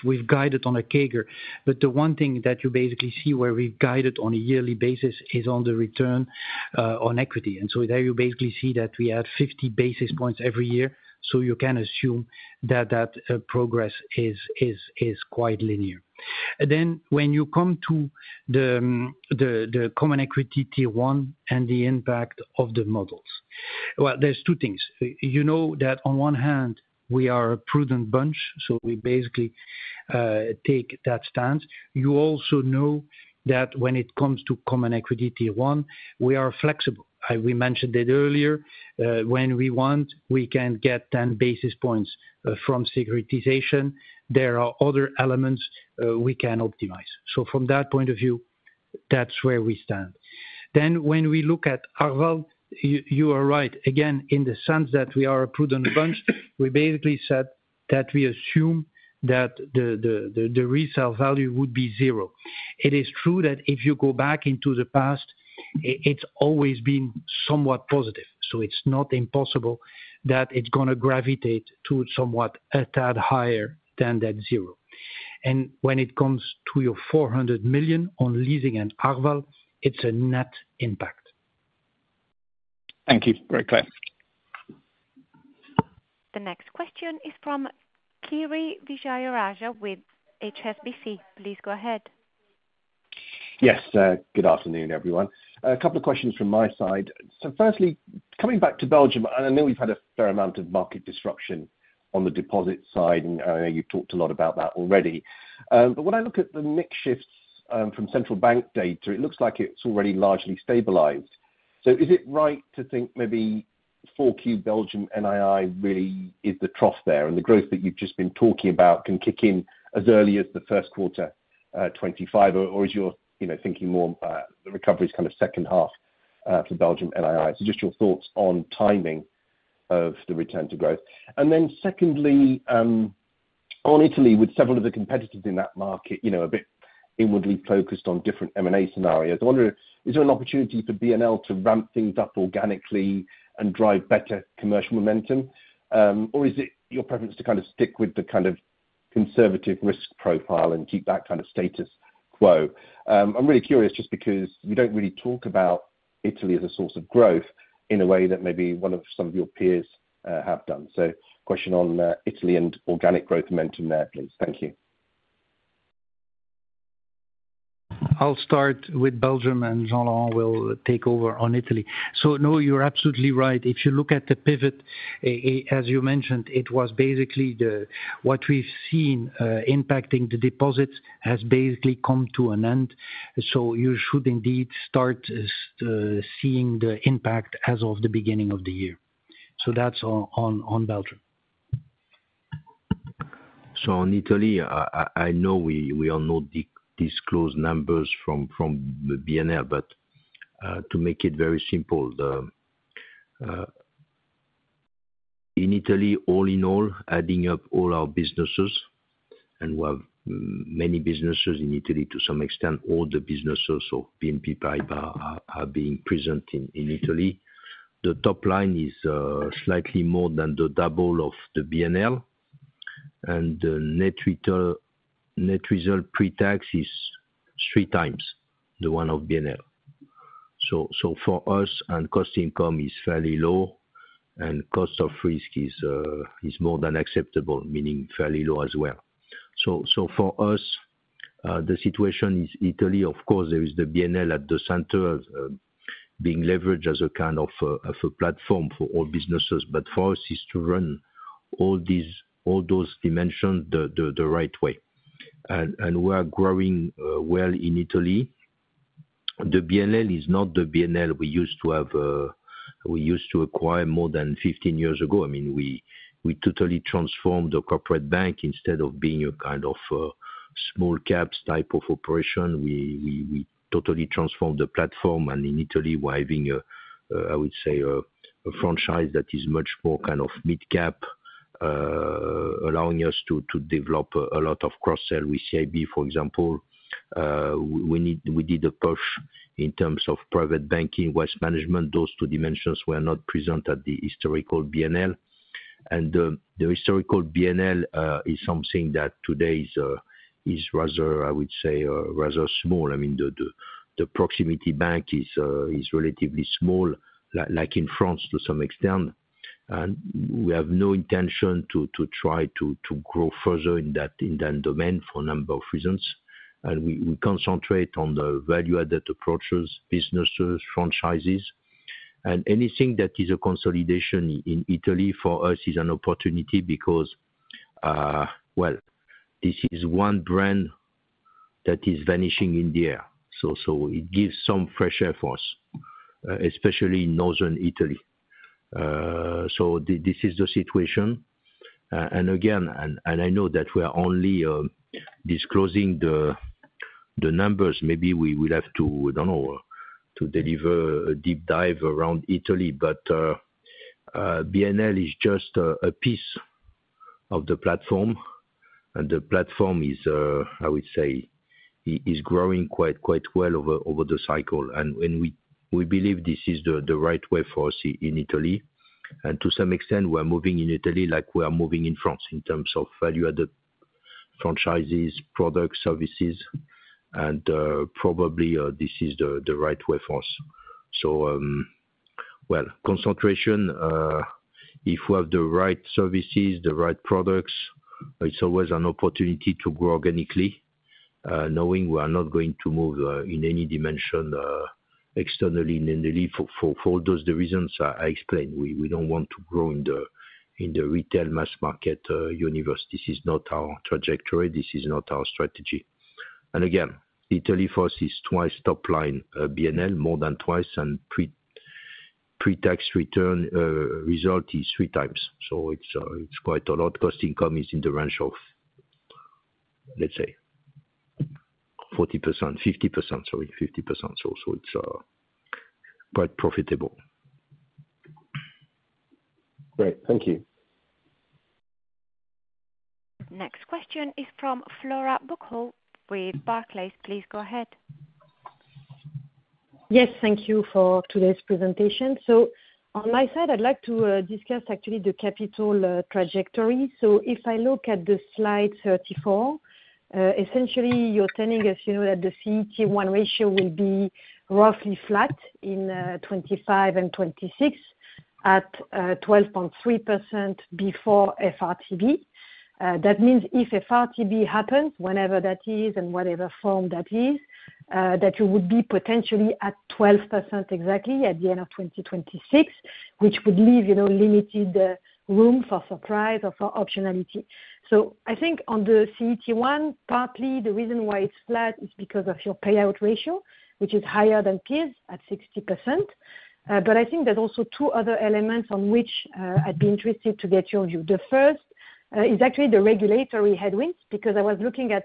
we've guided on a CAGR. But the one thing that you basically see where we've guided on a yearly basis is on the return on equity. And so there you basically see that we add 50 basis points every year. So you can assume that that progress is quite linear. Then when you come to the Common Equity Tier 1 and the impact of the models, well, there's two things. You know that on one hand, we are a prudent bunch, so we basically take that stance. You also know that when it comes to Common Equity Tier 1, we are flexible. We mentioned it earlier. When we want, we can get 10 basis points from securitization. There are other elements we can optimize. So from that point of view, that's where we stand. Then when we look at Arval, you are right. Again, in the sense that we are a prudent bunch, we basically said that we assume that the resale value would be zero. It is true that if you go back into the past, it's always been somewhat positive. So it's not impossible that it's going to gravitate to somewhat a tad higher than that zero. And when it comes to your 400 million on leasing and Arval, it's a net impact. Thank you. Very clear. The next question is from Kiri Vijayarajah with HSBC. Please go ahead. Yes. Good afternoon, everyone. A couple of questions from my side. So firstly, coming back to Belgium, I know we've had a fair amount of market disruption on the deposit side, and I know you've talked a lot about that already. But when I look at the net shifts from central bank data, it looks like it's already largely stabilized. So is it right to think maybe 4Q Belgium NII really is the trough there, and the growth that you've just been talking about can kick in as early as the first quarter 2025, or is your thinking more the recovery is kind of second half for Belgium NII? So just your thoughts on timing of the return to growth? And then, secondly, on Italy with several of the competitors in that market, a bit inwardly focused on different M&A scenarios, I wonder, is there an opportunity for BNL to ramp things up organically and drive better commercial momentum, or is it your preference to kind of stick with the kind of conservative risk profile and keep that kind of status quo? I'm really curious just because we don't really talk about Italy as a source of growth in a way that maybe one of some of your peers have done. So question on Italy and organic growth momentum there, please. Thank you. I'll start with Belgium, and Jean-Laurent will take over on Italy. So no, you're absolutely right. If you look at the pivot, as you mentioned, it was basically what we've seen impacting the deposits has basically come to an end. So you should indeed start seeing the impact as of the beginning of the year. So that's on Belgium. On Italy, I know we are not disclosing numbers from BNL, but to make it very simple, in Italy, all in all, adding up all our businesses, and we have many businesses in Italy to some extent. All the businesses of BNP Paribas are present in Italy. The top line is slightly more than the double of the BNL, and the net result pre-tax is three times the one of BNL. For us, cost income is fairly low, and cost of risk is more than acceptable, meaning fairly low as well. For us, the situation in Italy, of course, there is the BNL at the center being leveraged as a kind of a platform for all businesses, but for us, it's to run all those dimensions the right way. We are growing well in Italy. The BNL is not the BNL we used to have. We used to acquire more than 15 years ago. I mean, we totally transformed the corporate bank. Instead of being a kind of small caps type of operation, we totally transformed the platform. And in Italy, we're having, I would say, a franchise that is much more kind of mid-cap, allowing us to develop a lot of cross-sell with CIB, for example. We did a push in terms of private banking, Wealth Management. Those two dimensions were not present at the historical BNL. And the historical BNL is something that today is rather, I would say, rather small. I mean, the proximity bank is relatively small, like in France to some extent. And we have no intention to try to grow further in that domain for a number of reasons. And we concentrate on the value-added approaches, businesses, franchises. Anything that is a consolidation in Italy for us is an opportunity because, well, this is one brand that is vanishing in the air. It gives some fresh air for us, especially in northern Italy. This is the situation. Again, and I know that we are only disclosing the numbers. Maybe we will have to, I don't know, to deliver a deep dive around Italy, but BNL is just a piece of the platform. The platform is, I would say, growing quite well over the cycle. We believe this is the right way for us in Italy. To some extent, we are moving in Italy like we are moving in France in terms of value-added franchises, products, services. Probably this is the right way for us. Concentration, if we have the right services, the right products, it's always an opportunity to grow organically, knowing we are not going to move in any dimension externally in Italy for all those reasons I explained. We don't want to grow in the retail mass market universe. This is not our trajectory. This is not our strategy. And again, Italy for us is twice top line BNL, more than twice. And pre-tax return result is three times. So it's quite a lot. Cost income is in the range of, let's say, 40%-50%, sorry, 50%. So it's quite profitable. Great. Thank you. Next question is from Flora Bocahut with Barclays. Please go ahead. Yes. Thank you for today's presentation. So on my side, I'd like to discuss actually the capital trajectory. So if I look at the slide 34, essentially, you're telling us that the CET1 ratio will be roughly flat in 2025 and 2026 at 12.3% before FRTB. That means if FRTB happens, whenever that is and whatever form that is, that you would be potentially at 12% exactly at the end of 2026, which would leave limited room for surprise or for optionality. So I think on the CET1, partly the reason why it's flat is because of your payout ratio, which is higher than peers at 60%. But I think there's also two other elements on which I'd be interested to get your view. The first is actually the regulatory headwinds because I was looking at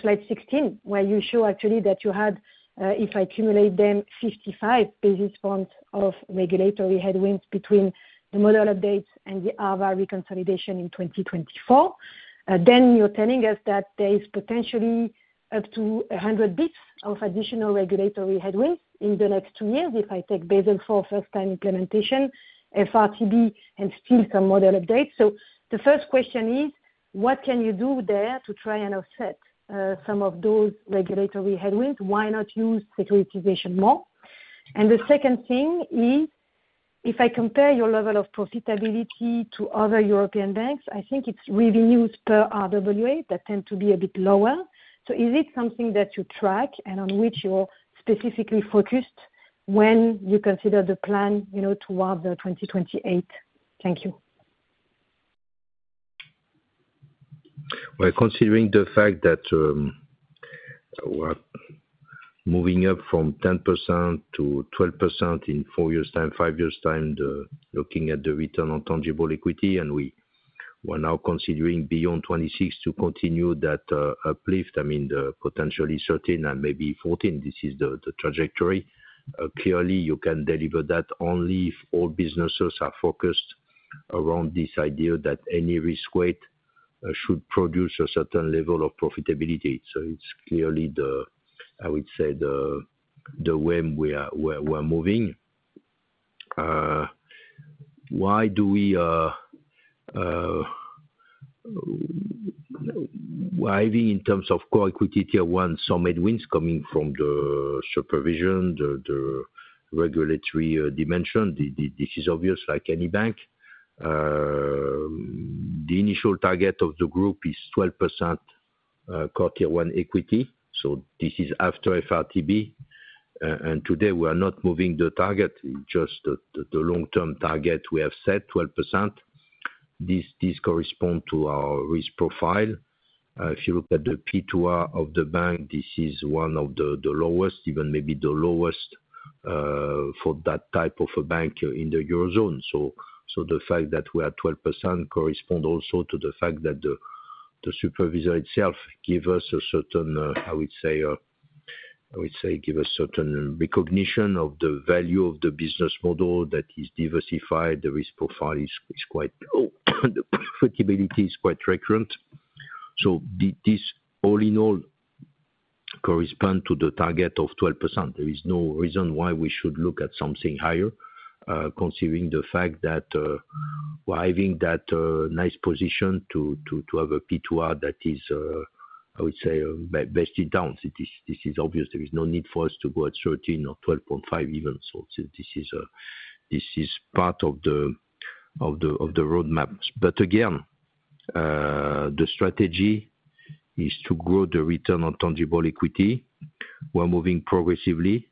slide 16 where you show actually that you had, if I accumulate them, 55 basis points of regulatory headwinds between the model updates and the Arval reconciliation in 2024, then you're telling us that there is potentially up to 100 basis points of additional regulatory headwinds in the next two years if I take Basel IV first-time implementation, FRTB, and still some model updates, so the first question is, what can you do there to try and offset some of those regulatory headwinds? Why not use securitization more? And the second thing is, if I compare your level of profitability to other European banks, I think it's revenues per RWA that tend to be a bit lower, so is it something that you track and on which you're specifically focused when you consider the plan towards 2028? Thank you. Considering the fact that we're moving up from 10% to 12% in four years' time, five years' time, looking at the return on tangible equity, and we are now considering beyond 2026 to continue that uplift, I mean, potentially 13% and maybe 14%. This is the trajectory. Clearly, you can deliver that only if all businesses are focused around this idea that any risk weight should produce a certain level of profitability. So it's clearly, I would say, the way we are moving. Why do we? I think in terms of Common Equity Tier 1, some headwinds coming from the supervision, the regulatory dimension. This is obvious like any bank. The initial target of the group is 12% Common Equity Tier 1. So this is after FRTB. And today, we are not moving the target. It's just the long-term target we have set, 12%. This corresponds to our risk profile. If you look at the P2R of the bank, this is one of the lowest, even maybe the lowest for that type of a bank in the Eurozone. So the fact that we are 12% corresponds also to the fact that the supervisor itself gives us a certain, I would say, gives us certain recognition of the value of the business model that is diversified. The risk profile is quite low. The profitability is quite recurrent. So this all in all corresponds to the target of 12%. There is no reason why we should look at something higher, considering the fact that we're having that nice position to have a P2R that is, I would say, best in town. This is obvious. There is no need for us to go at 13% or 12.5% even. So this is part of the roadmap. But again, the strategy is to grow the return on tangible equity. We're moving progressively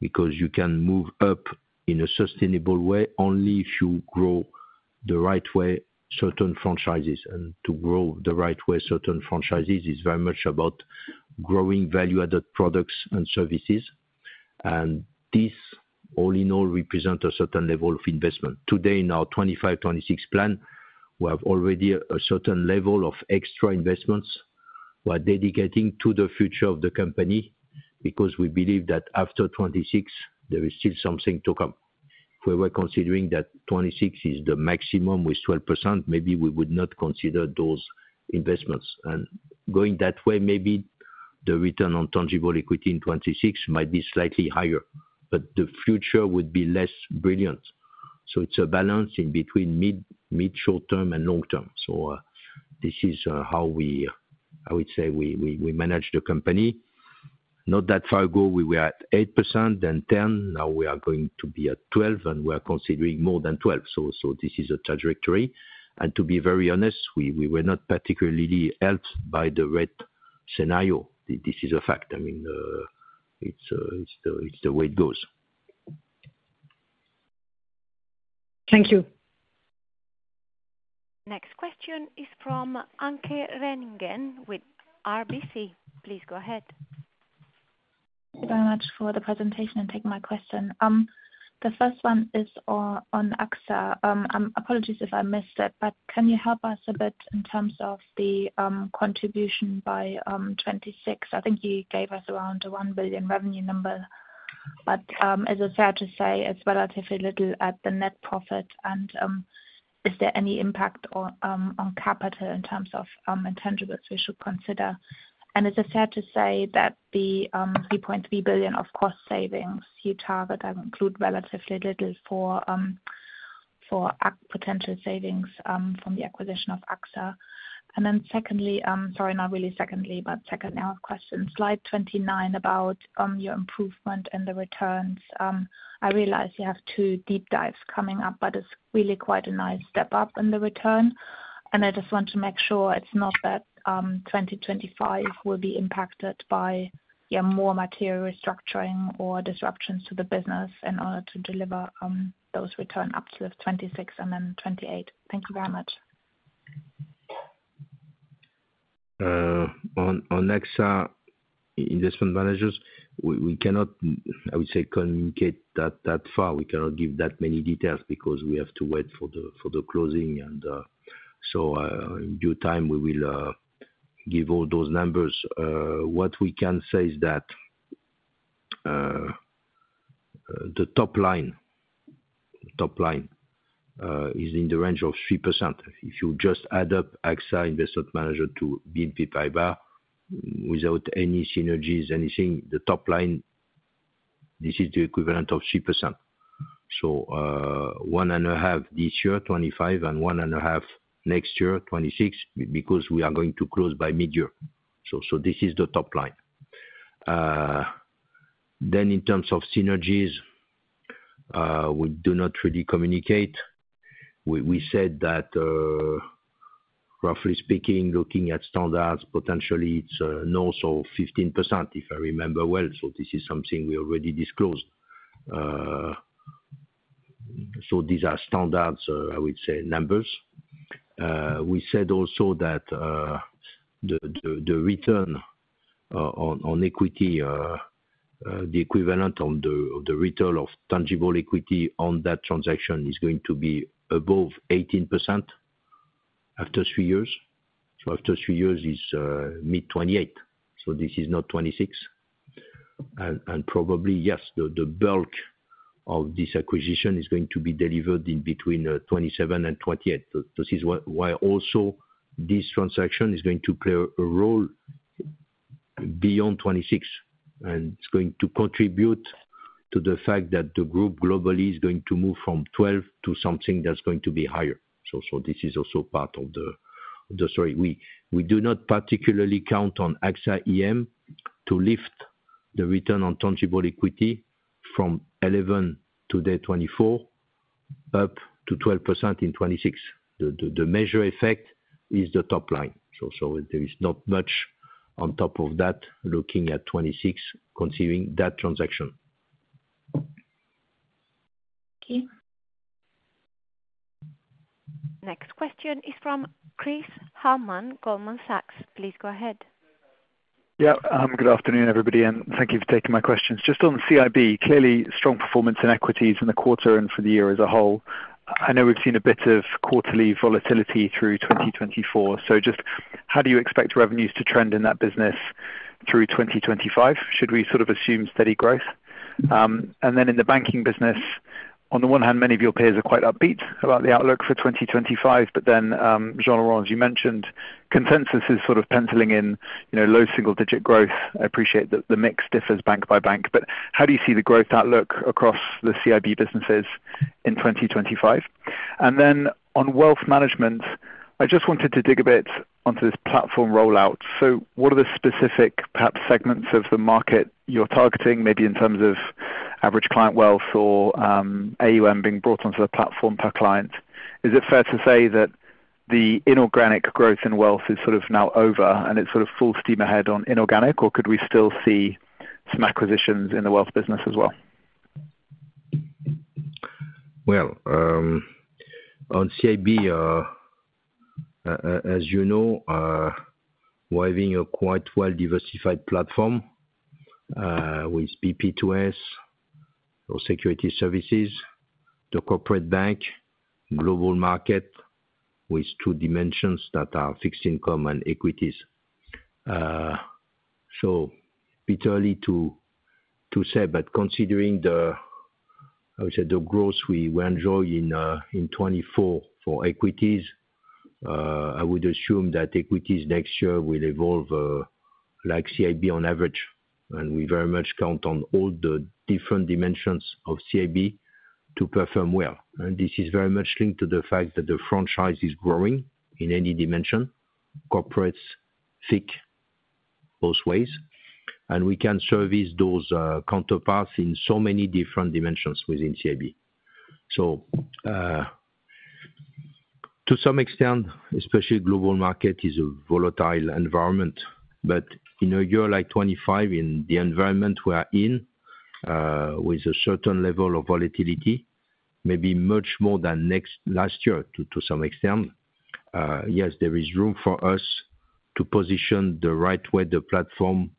because you can move up in a sustainable way only if you grow the right way certain franchises. And to grow the right way certain franchises is very much about growing value-added products and services. And this all in all represents a certain level of investment. Today, in our 2025, 2026 plan, we have already a certain level of extra investments we're dedicating to the future of the company because we believe that after 2026, there is still something to come. If we were considering that 2026 is the maximum with 12%, maybe we would not consider those investments. And going that way, maybe the return on tangible equity in 2026 might be slightly higher, but the future would be less brilliant. So it's a balance in between mid-short term and long term. So this is how we, I would say, manage the company. Not that far ago, we were at 8%, then 10%. Now we are going to be at 12%, and we are considering more than 12%. So this is a trajectory. And to be very honest, we were not particularly helped by the rate scenario. This is a fact. I mean, it's the way it goes. Thank you. Next question is from Anke Reingen with RBC. Please go ahead. Thank you very much for the presentation and taking my question. The first one is on AXA. Apologies if I missed it, but can you help us a bit in terms of the contribution by 2026? I think you gave us around a 1 billion revenue number, but as I said, to say, it's relatively little at the net profit, and is there any impact on capital in terms of intangibles we should consider? And as I said, to say that the 3.3 billion of cost savings you target include relatively little for potential savings from the acquisition of AXA, and then secondly, sorry, not really secondly, but second question, slide 29 about your improvement and the returns. I realize you have two deep dives coming up, but it's really quite a nice step up in the return. I just want to make sure it's not that 2025 will be impacted by more material restructuring or disruptions to the business in order to deliver those returns up to 2026 and then 2028. Thank you very much. On AXA Investment Managers, we cannot, I would say, communicate that far. We cannot give that many details because we have to wait for the closing, and so in due time, we will give all those numbers. What we can say is that the top line is in the range of 3%. If you just add up AXA Investment Managers to BNP Paribas without any synergies, anything, the top line, this is the equivalent of 3%. So one and a half this year, 2025, and one and a half next year, 2026, because we are going to close by mid-year. So this is the top line. Then in terms of synergies, we do not really communicate. We said that, roughly speaking, looking at standards, potentially it's north of 15%, if I remember well. So this is something we already disclosed. So these are standards, I would say, numbers. We said also that the return on equity, the equivalent of the return on tangible equity on that transaction, is going to be above 18% after three years. After three years, it is mid-2028. This is not 2026. Probably, yes, the bulk of this acquisition is going to be delivered in between 2027 and 2028. This is why also this transaction is going to play a role beyond 2026. It is going to contribute to the fact that the group globally is going to move from 12% to something that is going to be higher. This is also part of the story. We do not particularly count on AXA IM to lift the return on tangible equity from 11.5% in 2024 up to 12% in 2026. The measure effect is the top line. So there is not much on top of that looking at 2026, considering that transaction. Thank you. Next question is from Chris Hallam, Goldman Sachs. Please go ahead. Yeah. Good afternoon, everybody. And thank you for taking my questions. Just on CIB, clearly strong performance in equities in the quarter and for the year as a whole. I know we've seen a bit of quarterly volatility through 2024. So just how do you expect revenues to trend in that business through 2025? Should we sort of assume steady growth? And then in the banking business, on the one hand, many of your peers are quite upbeat about the outlook for 2025. But then, Jean-Laurent, as you mentioned, consensus is sort of penciling in low single-digit growth. I appreciate that the mix differs bank by bank. But how do you see the growth outlook across the CIB businesses in 2025? And then on Wealth Management, I just wanted to dig a bit onto this platform rollout. So what are the specific, perhaps, segments of the market you're targeting, maybe in terms of average client wealth or AUM being brought onto the platform per client? Is it fair to say that the inorganic growth in wealth is sort of now over and it's sort of full steam ahead on inorganic, or could we still see some acquisitions in the wealth business as well? On CIB, as you know, we're having a quite well-diversified platform with BP2S, those Securities Services, the corporate bank, Global Markets with two dimensions that are fixed income and equities. It's early to say, but considering the, I would say, the growth we enjoy in 2024 for equities, I would assume that equities next year will evolve like CIB on average. We very much count on all the different dimensions of CIB to perform well. This is very much linked to the fact that the franchise is growing in any dimension. Corporates think both ways. We can service those counterparties in so many different dimensions within CIB. To some extent, especially Global Markets is a volatile environment. But in a year like 2025, in the environment we are in with a certain level of volatility, maybe much more than last year to some extent, yes, there is room for us to position the right way the platform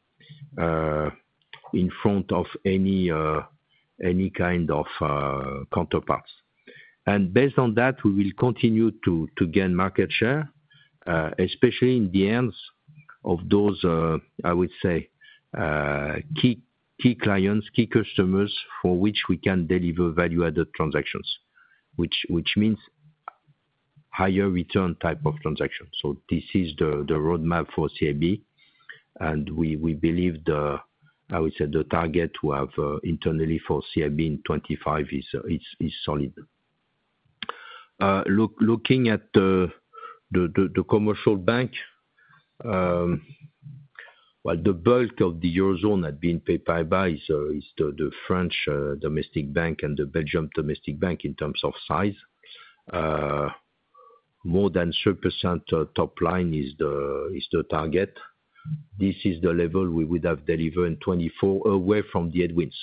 in front of any kind of counterparties. And based on that, we will continue to gain market share, especially in the lens of those, I would say, key clients, key customers for which we can deliver value-added transactions, which means higher return type of transactions. So this is the roadmap for CIB. And we believe, I would say, the target we have internally for CIB in 2025 is solid. Looking at the commercial bank, well, the bulk of the Eurozone at BNP Paribas is the French domestic bank and the Belgian domestic bank in terms of size. More than 3% top line is the target. This is the level we would have delivered in 2024 away from the headwinds.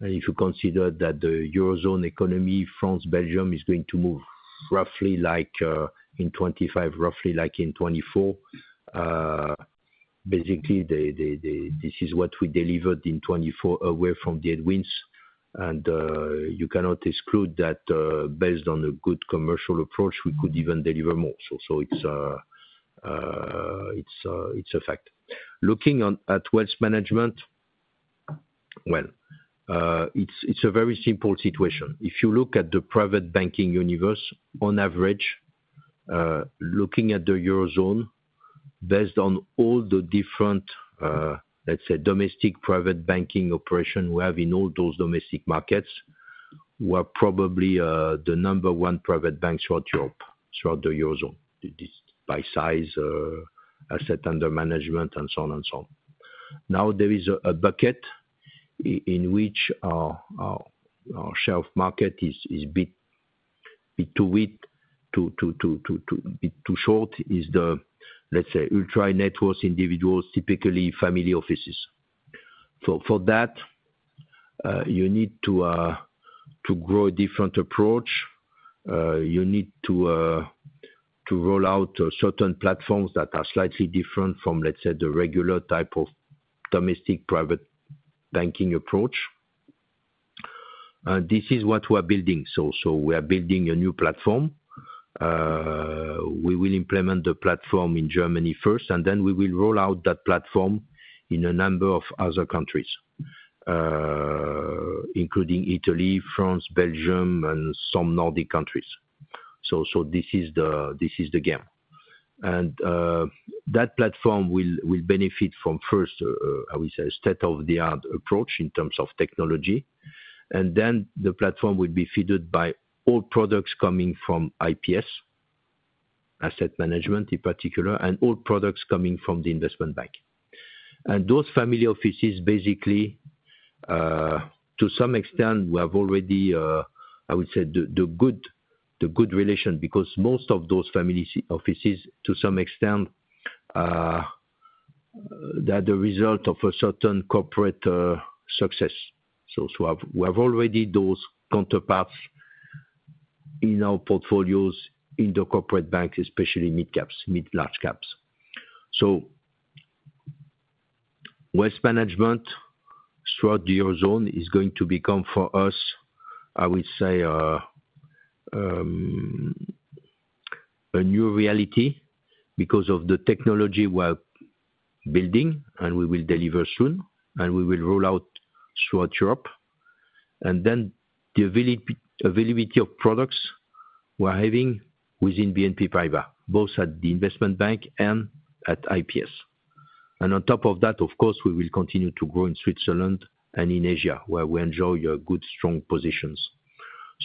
And if you consider that the Eurozone economy, France, Belgium is going to move roughly like in 2025, roughly like in 2024, basically, this is what we delivered in 2024 away from the headwinds. And you cannot exclude that based on a good commercial approach, we could even deliver more. So it's a fact. Looking at Wealth Management, well, it's a very simple situation. If you look at the private banking universe, on average, looking at the Eurozone, based on all the different, let's say, domestic private banking operations we have in all those domestic markets, we're probably the number one private bank throughout Europe, throughout the Eurozone, by size, asset under management, and so on and so on. Now, there is a bucket in which our share of market is a bit too wide, a bit too short. It is the, let's say, ultra-net worth individuals, typically family offices. So for that, you need to grow a different approach. You need to roll out certain platforms that are slightly different from, let's say, the regular type of domestic private banking approach. And this is what we're building. So we are building a new platform. We will implement the platform in Germany first, and then we will roll out that platform in a number of other countries, including Italy, France, Belgium, and some Nordic countries. So this is the game. And that platform will benefit from, first, I would say, a state-of-the-art approach in terms of technology. And then the platform will be fed by all products coming from IPS, Asset Management in particular, and all products coming from the investment bank. And those family offices, basically, to some extent, we have already, I would say, the good relation because most of those family offices, to some extent, they are the result of a certain corporate success. So we have already those counterparts in our portfolios in the corporate banks, especially mid-caps, mid-large caps. So Wealth Management throughout the Eurozone is going to become for us, I would say, a new reality because of the technology we're building, and we will deliver soon, and we will roll out throughout Europe. And then the availability of products we're having within BNP Paribas, both at the investment bank and at IPS. And on top of that, of course, we will continue to grow in Switzerland and in Asia, where we enjoy good, strong positions.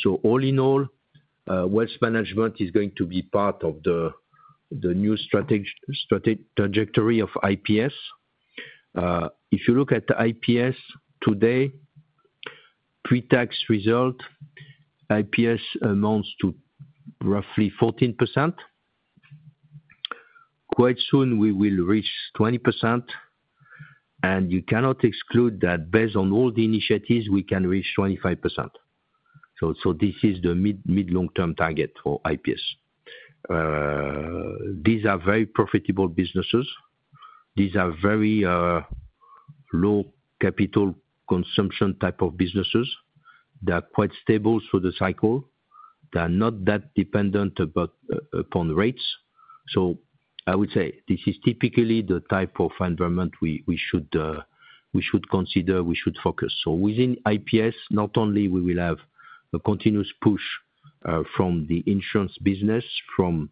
So all in all, Wealth Management is going to be part of the new trajectory of IPS. If you look at IPS today, pre-tax result, IPS amounts to roughly 14%. Quite soon, we will reach 20%. And you cannot exclude that based on all the initiatives, we can reach 25%. So this is the mid-long-term target for IPS. These are very profitable businesses. These are very low capital consumption type of businesses. They are quite stable through the cycle. They are not that dependent upon rates. So I would say this is typically the type of environment we should consider, we should focus. So within IPS, not only will we have a continuous push from the Insurance business, from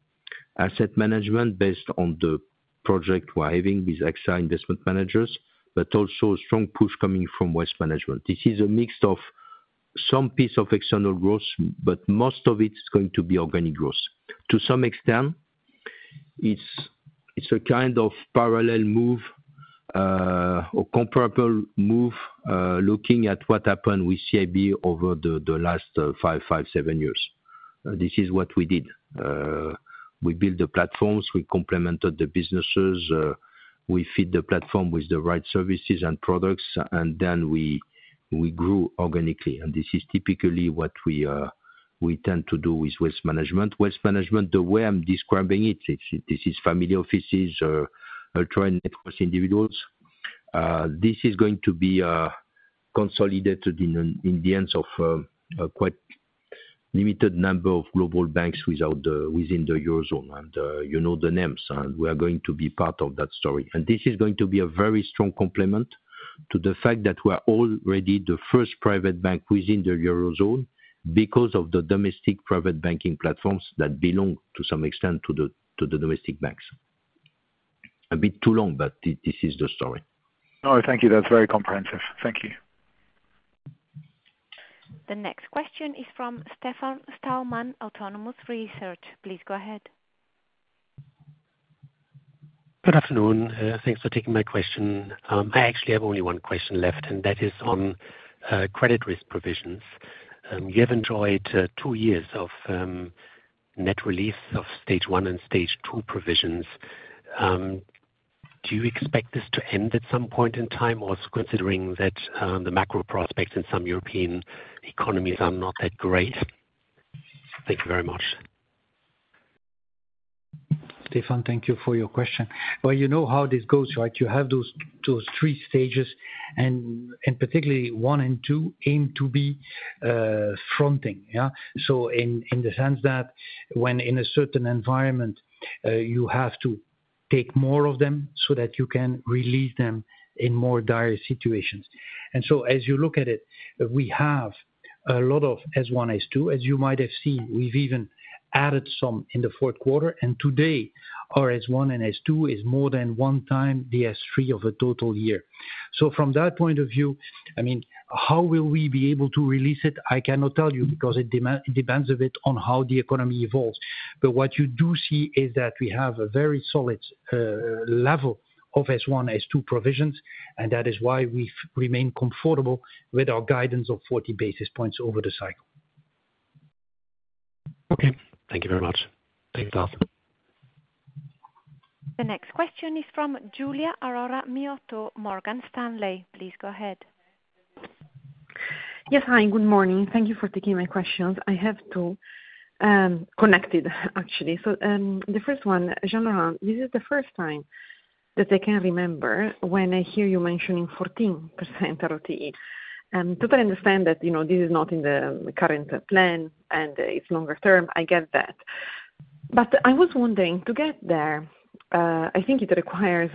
Asset Management based on the project we're having with AXA Investment Managers, but also a strong push coming from Wealth Management. This is a mix of some piece of external growth, but most of it is going to be organic growth. To some extent, it's a kind of parallel move or comparable move looking at what happened with CIB over the last five, five, seven years. This is what we did. We built the platforms. We complemented the businesses. We fit the platform with the right services and products, and then we grew organically. This is typically what we tend to do with Wealth Management. Wealth Management, the way I'm describing it, this is family offices, ultra-net worth individuals. This is going to be consolidated in the hands of a quite limited number of global banks within the Eurozone, and you know the names, and we are going to be part of that story, and this is going to be a very strong complement to the fact that we are already the first private bank within the Eurozone because of the domestic private banking platforms that belong, to some extent, to the domestic banks. A bit too long, but this is the story. No, thank you. That's very comprehensive. Thank you. The next question is from Stefan Stalmann, Autonomous Research. Please go ahead. Good afternoon. Thanks for taking my question. I actually have only one question left, and that is on credit risk provisions. You have enjoyed two years of net relief of Stage 1 and Stage 2 provisions. Do you expect this to end at some point in time, also considering that the macro prospects in some European economies are not that great? Thank you very much. Stefan, thank you for your question. Well, you know how this goes, right? You have those three stages, and particularly one and two aim to be fronting, yeah? So in the sense that when in a certain environment, you have to take more of them so that you can release them in more dire situations. And so as you look at it, we have a lot of S1, S2, as you might have seen. We've even added some in the fourth quarter. And today, our S1 and S2 is more than one time the S3 of a total year. So from that point of view, I mean, how will we be able to release it? I cannot tell you because it depends a bit on how the economy evolves. But what you do see is that we have a very solid level of S1, S2 provisions, and that is why we remain comfortable with our guidance of 40 basis points over the cycle. Okay. Thank you very much. Thank you, Lars. The next question is from Giulia Aurora Miotto, Morgan Stanley. Please go ahead. Yes, hi. Good morning. Thank you for taking my questions. I have two connected, actually. So the first one, Jean-Laurent, this is the first time that I can remember when I hear you mentioning 14% ROTE. And I totally understand that this is not in the current plan, and it's longer term. I get that. But I was wondering, to get there, I think it requires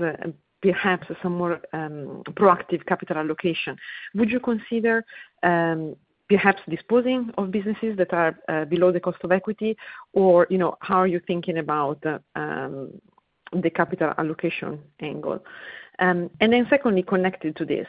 perhaps some more proactive capital allocation. Would you consider perhaps disposing of businesses that are below the cost of equity, or how are you thinking about the capital allocation angle? And then secondly, connected to this,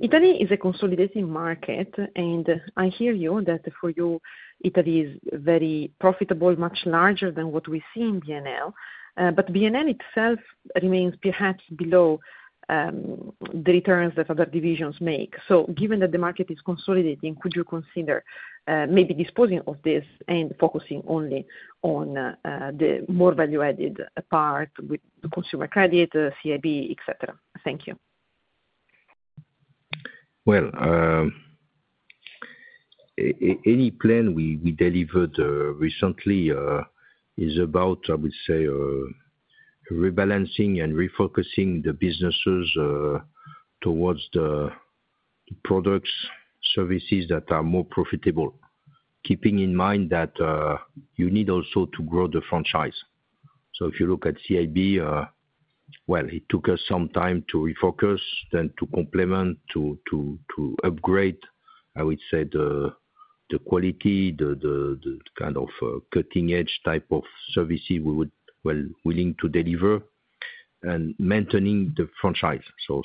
Italy is a consolidating market, and I hear you that for you, Italy is very profitable, much larger than what we see in BNL. But BNL itself remains perhaps below the returns that other divisions make. So given that the market is consolidating, could you consider maybe disposing of this and focusing only on the more value-added part with consumer credit, CIB, etc.? Thank you. Any plan we delivered recently is about, I would say, rebalancing and refocusing the businesses towards the products, services that are more profitable, keeping in mind that you need also to grow the franchise. So if you look at CIB, well, it took us some time to refocus, then to complement, to upgrade, I would say, the quality, the kind of cutting-edge type of services we were willing to deliver, and maintaining the franchise. So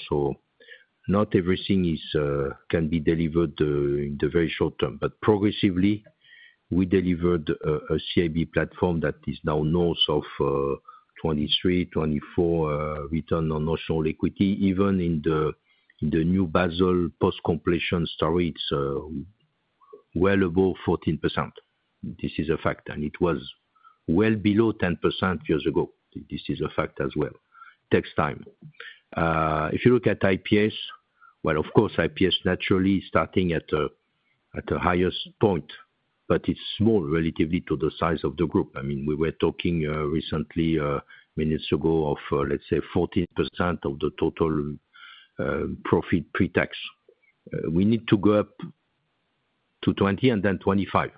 not everything can be delivered in the very short term. But progressively, we delivered a CIB platform that is now north of 23-24 return on notional equity, even in the new Basel post-completion story. It's well above 14%. This is a fact. And it was well below 10% years ago. This is a fact as well. Takes time. If you look at IPS, well, of course, IPS naturally is starting at the highest point, but it's small relative to the size of the group. I mean, we were talking recently, minutes ago, of, let's say, 14% of the total profit pre-tax. We need to go up to 20% and then 25%.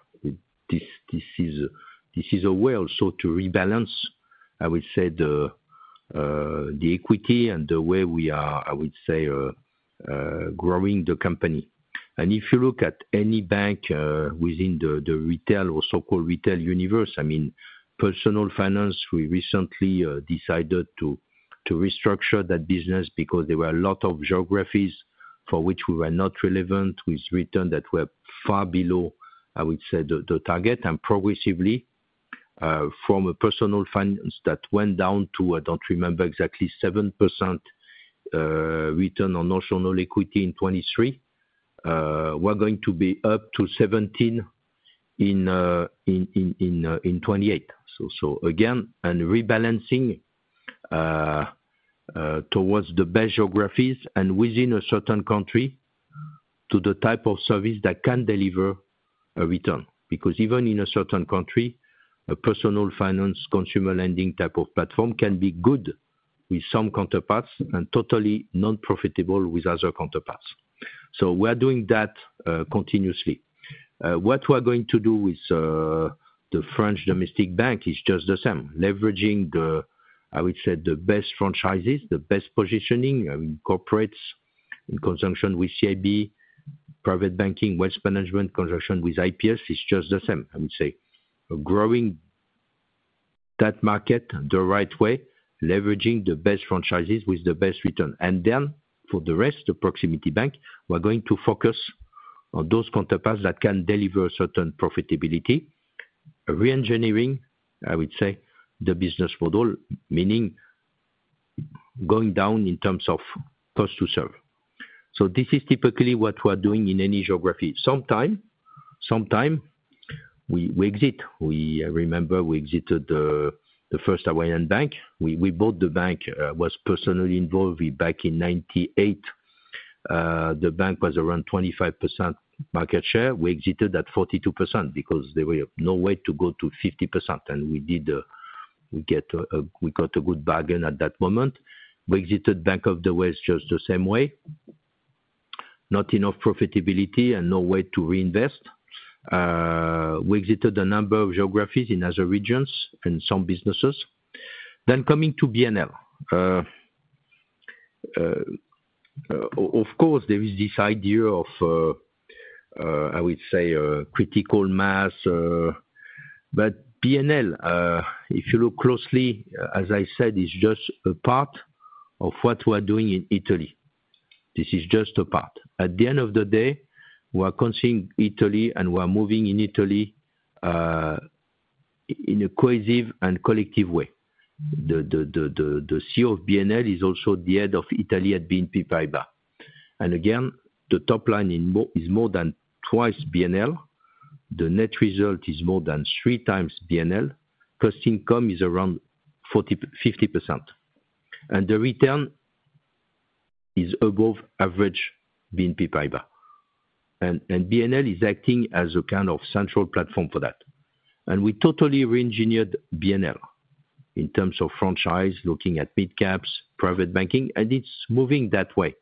This is a way also to rebalance, I would say, the equity and the way we are, I would say, growing the company, and if you look at any bank within the retail or so-called retail universe, I mean, Personal Finance, we recently decided to restructure that business because there were a lot of geographies for which we were not relevant with returns that were far below, I would say, the target. Progressively, from a Personal Finance that went down to, I don't remember exactly, 7% return on notional equity in 2023, we're going to be up to 17% in 2028. So again, and rebalancing towards the best geographies and within a certain country to the type of service that can deliver a return. Because even in a certain country, a Personal Finance consumer lending type of platform can be good with some counterparts and totally non-profitable with other counterparts. So we're doing that continuously. What we're going to do with the French domestic bank is just the same, leveraging, I would say, the best franchises, the best positioning in corporates in conjunction with CIB, private banking, Wealth Management in conjunction with IPS is just the same, I would say. Growing that market the right way, leveraging the best franchises with the best return. And then for the rest, the proximity bank, we're going to focus on those counterparts that can deliver a certain profitability, re-engineering, I would say, the business model, meaning going down in terms of cost to serve. So this is typically what we're doing in any geography. Sometimes, we exit. We remember we exited First Hawaiian Bank. We bought the bank, was personally involved back in 1998. The bank was around 25% market share. We exited at 42% because there was no way to go to 50%. And we got a good bargain at that moment. We exited Bank of the West just the same way. Not enough profitability and no way to reinvest. We exited a number of geographies in other regions and some businesses. Then coming to BNL. Of course, there is this idea of, I would say, critical mass. BNL, if you look closely, as I said, is just a part of what we're doing in Italy. This is just a part. At the end of the day, we are considering Italy and we're moving in Italy in a cohesive and collective way. The CEO of BNL is also the head of Italy at BNP Paribas. And again, the top line is more than twice BNL. The net result is more than three times BNL. Cost income is around 50%. And the return is above average BNP Paribas. And BNL is acting as a kind of central platform for that. And we totally re-engineered BNL in terms of franchise, looking at mid-caps, private banking, and it's moving that way.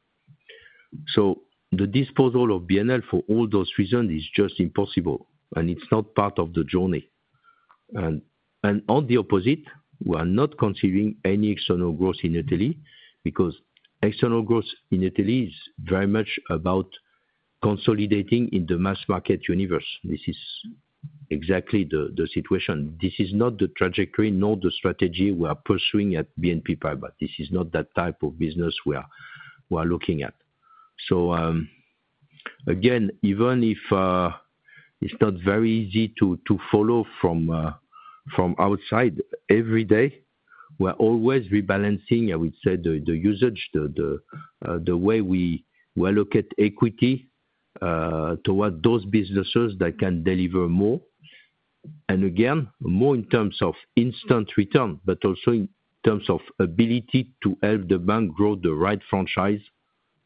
So the disposal of BNL for all those reasons is just impossible, and it's not part of the journey. And on the opposite, we are not considering any external growth in Italy because external growth in Italy is very much about consolidating in the mass market universe. This is exactly the situation. This is not the trajectory, nor the strategy we are pursuing at BNP Paribas. This is not that type of business we are looking at. So again, even if it's not very easy to follow from outside, every day, we're always rebalancing, I would say, the usage, the way we allocate equity toward those businesses that can deliver more. And again, more in terms of instant return, but also in terms of ability to help the bank grow the right franchise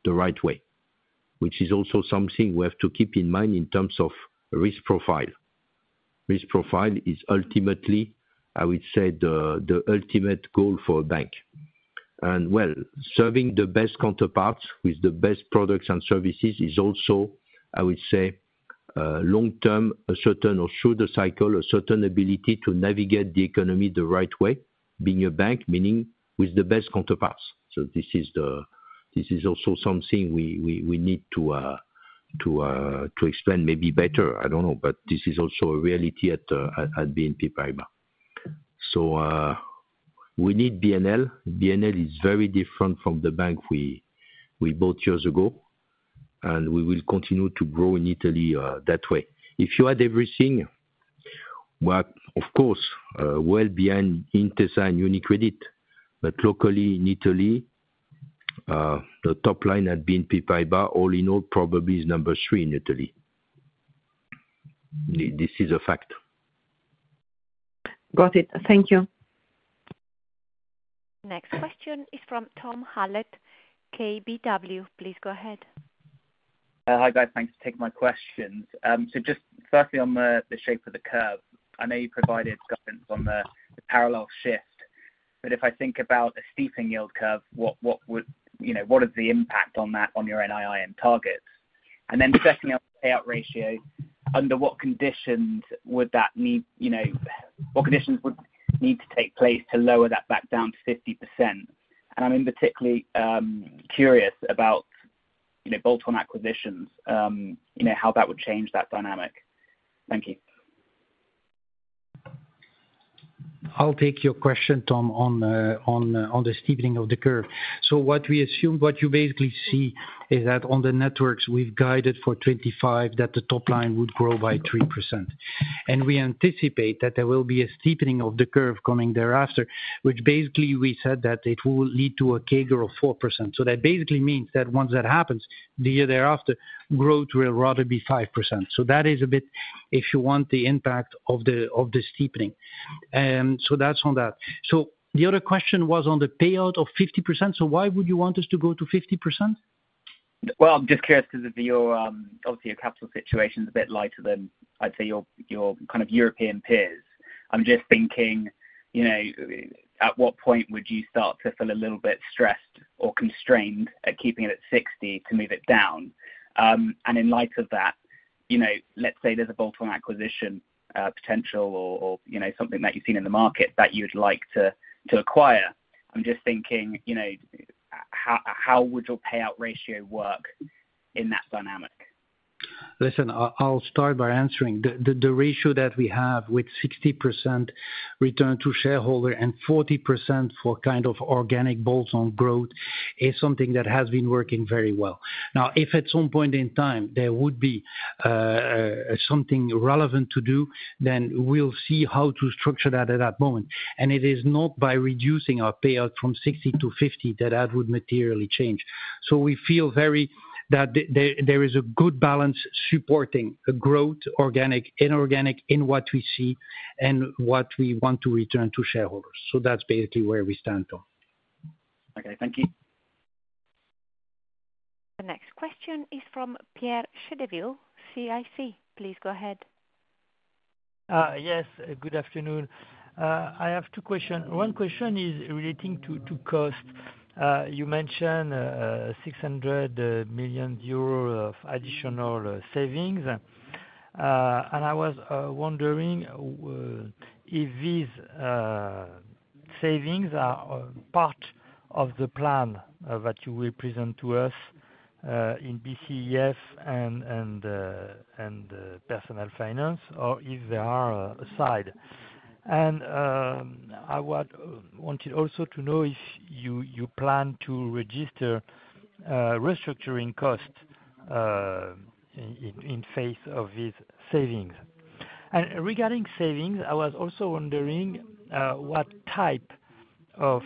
the right way, which is also something we have to keep in mind in terms of risk profile. Risk profile is ultimately, I would say, the ultimate goal for a bank. Well, serving the best counterparts with the best products and services is also, I would say, long-term, a certain or through the cycle, a certain ability to navigate the economy the right way, being a bank, meaning with the best counterparts. So this is also something we need to explain maybe better. I don't know, but this is also a reality at BNP Paribas. So we need BNL. BNL is very different from the bank we bought years ago, and we will continue to grow in Italy that way. If you add everything, we're, of course, well behind Intesa Sanpaolo, UniCredit, but locally in Italy, the top line at BNP Paribas, all in all, probably is number three in Italy. This is a fact. Got it. Thank you. Next question is from Tom Hallett, KBW. Please go ahead. Hi guys. Thanks for taking my questions. So just firstly, on the shape of the curve, I know you provided guidance on the parallel shift, but if I think about a steepening yield curve, what is the impact on that on your NII targets? And then secondly, on the payout ratio, under what conditions would need to take place to lower that back down to 50%? And I'm particularly curious about bolt-on acquisitions, how that would change that dynamic. Thank you. I'll take your question, Tom, on the steepening of the curve, so what we assume, what you basically see is that on the networks we've guided for 2025, that the top line would grow by 3%, and we anticipate that there will be a steepening of the curve coming thereafter, which basically we said that it will lead to a CAGR of 4%, so that basically means that once that happens, the year thereafter, growth will rather be 5%, so that is a bit, if you want, the impact of the steepening, so that's on that, so the other question was on the payout of 50%, so why would you want us to go to 50%? I'm just curious because of your, obviously, your capital situation is a bit lighter than, I'd say, your kind of European peers. I'm just thinking, at what point would you start to feel a little bit stressed or constrained at keeping it at 60 to move it down? And in light of that, let's say there's a bolt-on acquisition potential or something that you've seen in the market that you'd like to acquire. I'm just thinking, how would your payout ratio work in that dynamic? Listen, I'll start by answering. The ratio that we have with 60% return to shareholder and 40% for kind of organic bolt-on growth is something that has been working very well. Now, if at some point in time there would be something relevant to do, then we'll see how to structure that at that moment. And it is not by reducing our payout from 60% to 50% that that would materially change. So we feel very that there is a good balance supporting growth, organic, inorganic in what we see and what we want to return to shareholders. So that's basically where we stand on. Okay. Thank you. The next question is from Pierre Chédeville, CIC. Please go ahead. Yes. Good afternoon. I have two questions. One question is relating to cost. You mentioned 600 million euros of additional savings. And I was wondering if these savings are part of the plan that you will present to us in BCEF and Personal Finance, or if they are aside. And I wanted also to know if you plan to register restructuring costs in face of these savings. And regarding savings, I was also wondering what type of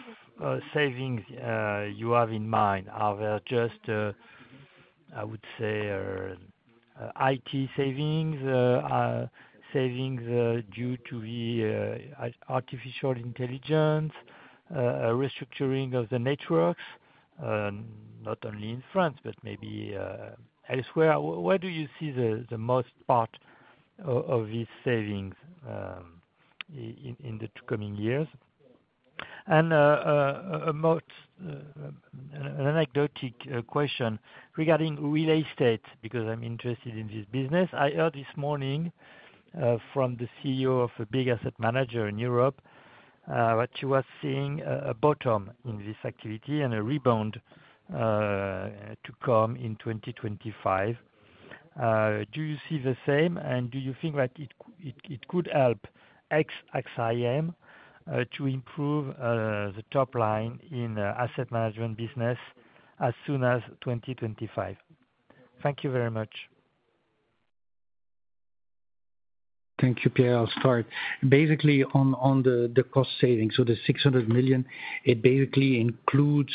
savings you have in mind. Are there just, I would say, IT savings, savings due to the artificial intelligence, restructuring of the networks, not only in France, but maybe elsewhere? Where do you see the most part of these savings in the coming years? And an anecdotal question regarding Real Estate, because I'm interested in this business. I heard this morning from the CEO of a big asset manager in Europe that she was seeing a bottom in this activity and a rebound to come in 2025. Do you see the same? And do you think that it could help AXA IM to improve the top line in Asset Management business as soon as 2025? Thank you very much. Thank you, Pierre. I'll start. Basically, on the cost savings, so the 600 million, it basically includes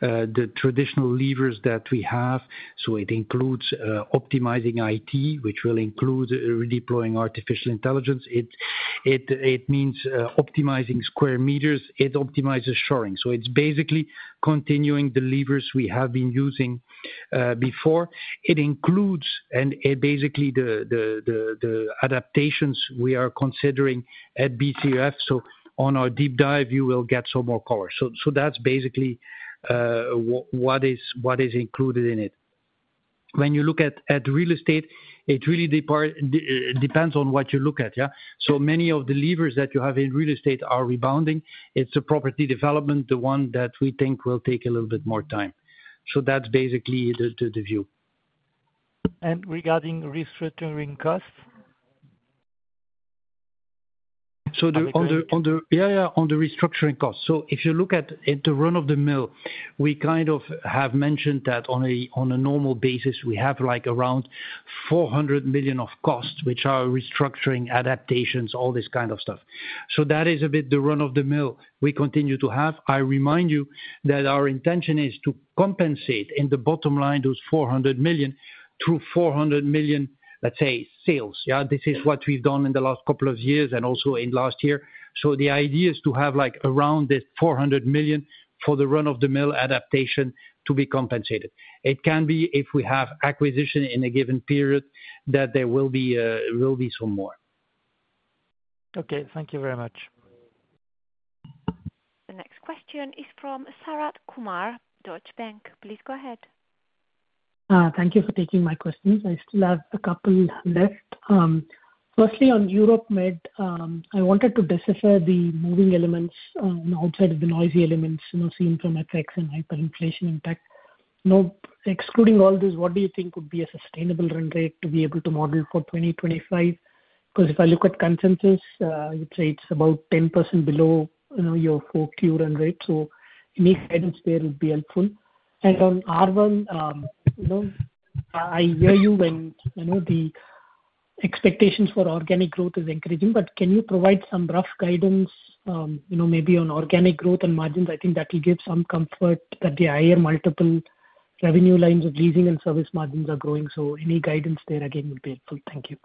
the traditional levers that we have, so it includes optimizing IT, which will include redeploying artificial intelligence. It means optimizing square meters. It optimizes shoring, so it's basically continuing the levers we have been using before. It includes, and basically, the adaptations we are considering at BCEF, so on our deep dive, you will get some more color, so that's basically what is included in it. When you look at Real Estate, it really depends on what you look at, so many of the levers that you have in Real Estate are rebounding. It's a property development, the one that we think will take a little bit more time, so that's basically the view. Regarding restructuring costs? On the restructuring costs, so if you look at the run of the mill, we kind of have mentioned that on a normal basis, we have around 400 million of costs, which are restructuring, adaptations, all this kind of stuff. So that is a bit the run of the mill we continue to have. I remind you that our intention is to compensate in the bottom line those 400 million through 400 million, let's say, sales. This is what we've done in the last couple of years and also in last year. So the idea is to have around this 400 million for the run of the mill adaptation to be compensated. It can be if we have acquisition in a given period that there will be some more. Okay. Thank you very much. The next question is from Sharath Kumar, Deutsche Bank. Please go ahead. Thank you for taking my questions. I still have a couple left. Firstly, on Europe-Med, I wanted to decipher the moving elements outside of the noisy elements seen from FX and hyperinflation impact. Excluding all these, what do you think would be a sustainable run rate to be able to model for 2025? Because if I look at consensus, I would say it's about 10% below your 4Q run rate. So any guidance there would be helpful. And on Arval, I hear you when the expectations for organic growth are encouraging, but can you provide some rough guidance maybe on organic growth and margins? I think that will give some comfort that the higher multiple revenue lines of leasing and service margins are growing. So any guidance there, again, would be helpful. Thank you.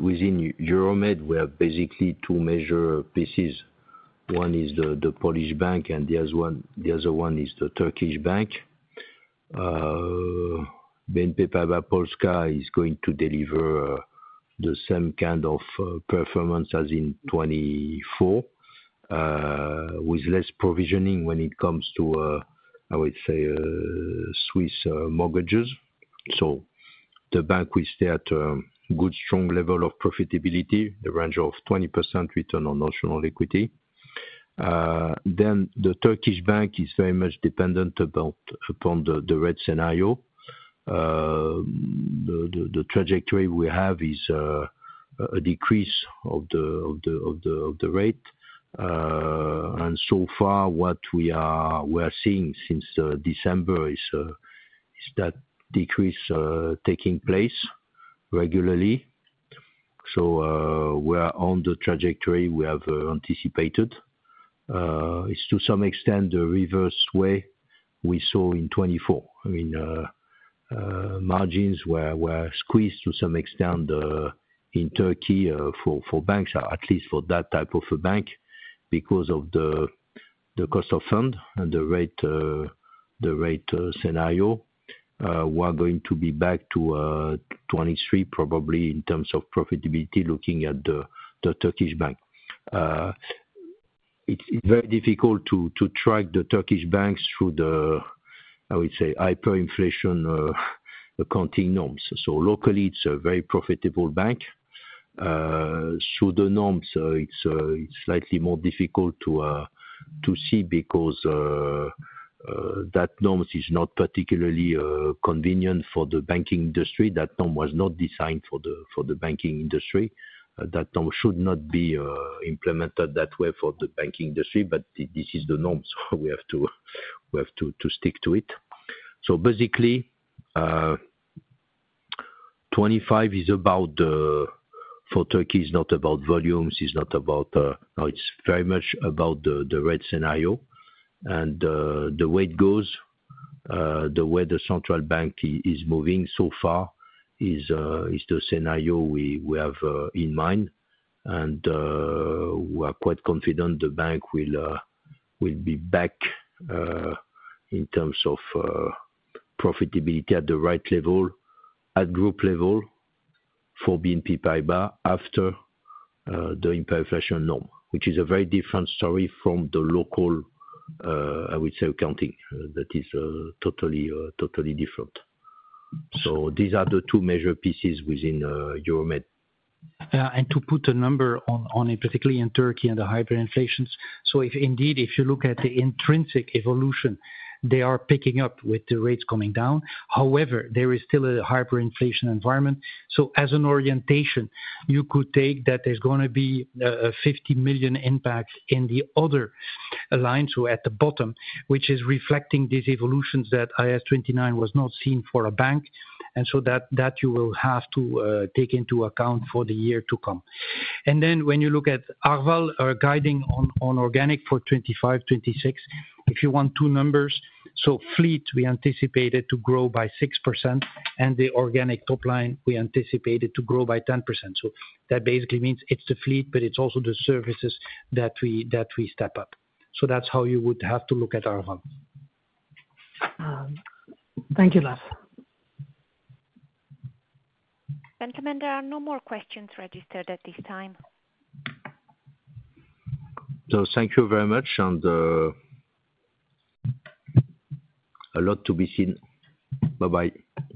Within Europe-Med, we have basically two major pieces. One is the Polish bank, and the other one is the Turkish bank. BNP Paribas Polska is going to deliver the same kind of performance as in 2024, with less provisioning when it comes to, I would say, Swiss mortgages. So the bank will stay at a good, strong level of profitability, the range of 20% return on notional equity. Then the Turkish bank is very much dependent upon the red scenario. The trajectory we have is a decrease of the rate. And so far, what we are seeing since December is that decrease taking place regularly. So we're on the trajectory we have anticipated. It's to some extent the reverse way we saw in 2024. I mean, margins were squeezed to some extent in Turkey for banks, at least for that type of a bank, because of the cost of funds and the rate scenario. We're going to be back to 2023, probably in terms of profitability, looking at the Turkish bank. It's very difficult to track the Turkish banks through the, I would say, hyperinflation accounting norms. So locally, it's a very profitable bank. Through the norms, it's slightly more difficult to see because that norm is not particularly convenient for the banking industry. That norm was not designed for the banking industry. That norm should not be implemented that way for the banking industry, but this is the norm. So we have to stick to it. So basically, 2025 is about the rate for Turkey, it's not about volumes, it's very much about the rate scenario. The way it goes, the way the central bank is moving so far is the scenario we have in mind. We are quite confident the bank will be back in terms of profitability at the right level, at group level for BNP Paribas after the hyperinflation norm, which is a very different story from the local, I would say, accounting. That is totally different. These are the two major pieces within Europe-Med. To put a number on it, particularly in Turkey and the hyperinflations. So indeed, if you look at the intrinsic evolution, they are picking up with the rates coming down. However, there is still a hyperinflation environment. So as an orientation, you could take that there's going to be a 50 million impact in the other line, so at the bottom, which is reflecting these evolutions that IAS 29 was not seen for a bank. And so that you will have to take into account for the year to come. And then when you look at Arval guiding on organic for 2025, 2026, if you want two numbers, so fleet, we anticipated to grow by 6%, and the organic top line, we anticipated to grow by 10%. So that basically means it's the fleet, but it's also the services that we step up. That's how you would have to look at Arval. Thank you, Lars. Thank you, Jean-Laurent. No more questions registered at this time. No, thank you very much. And a lot to be seen. Bye-bye.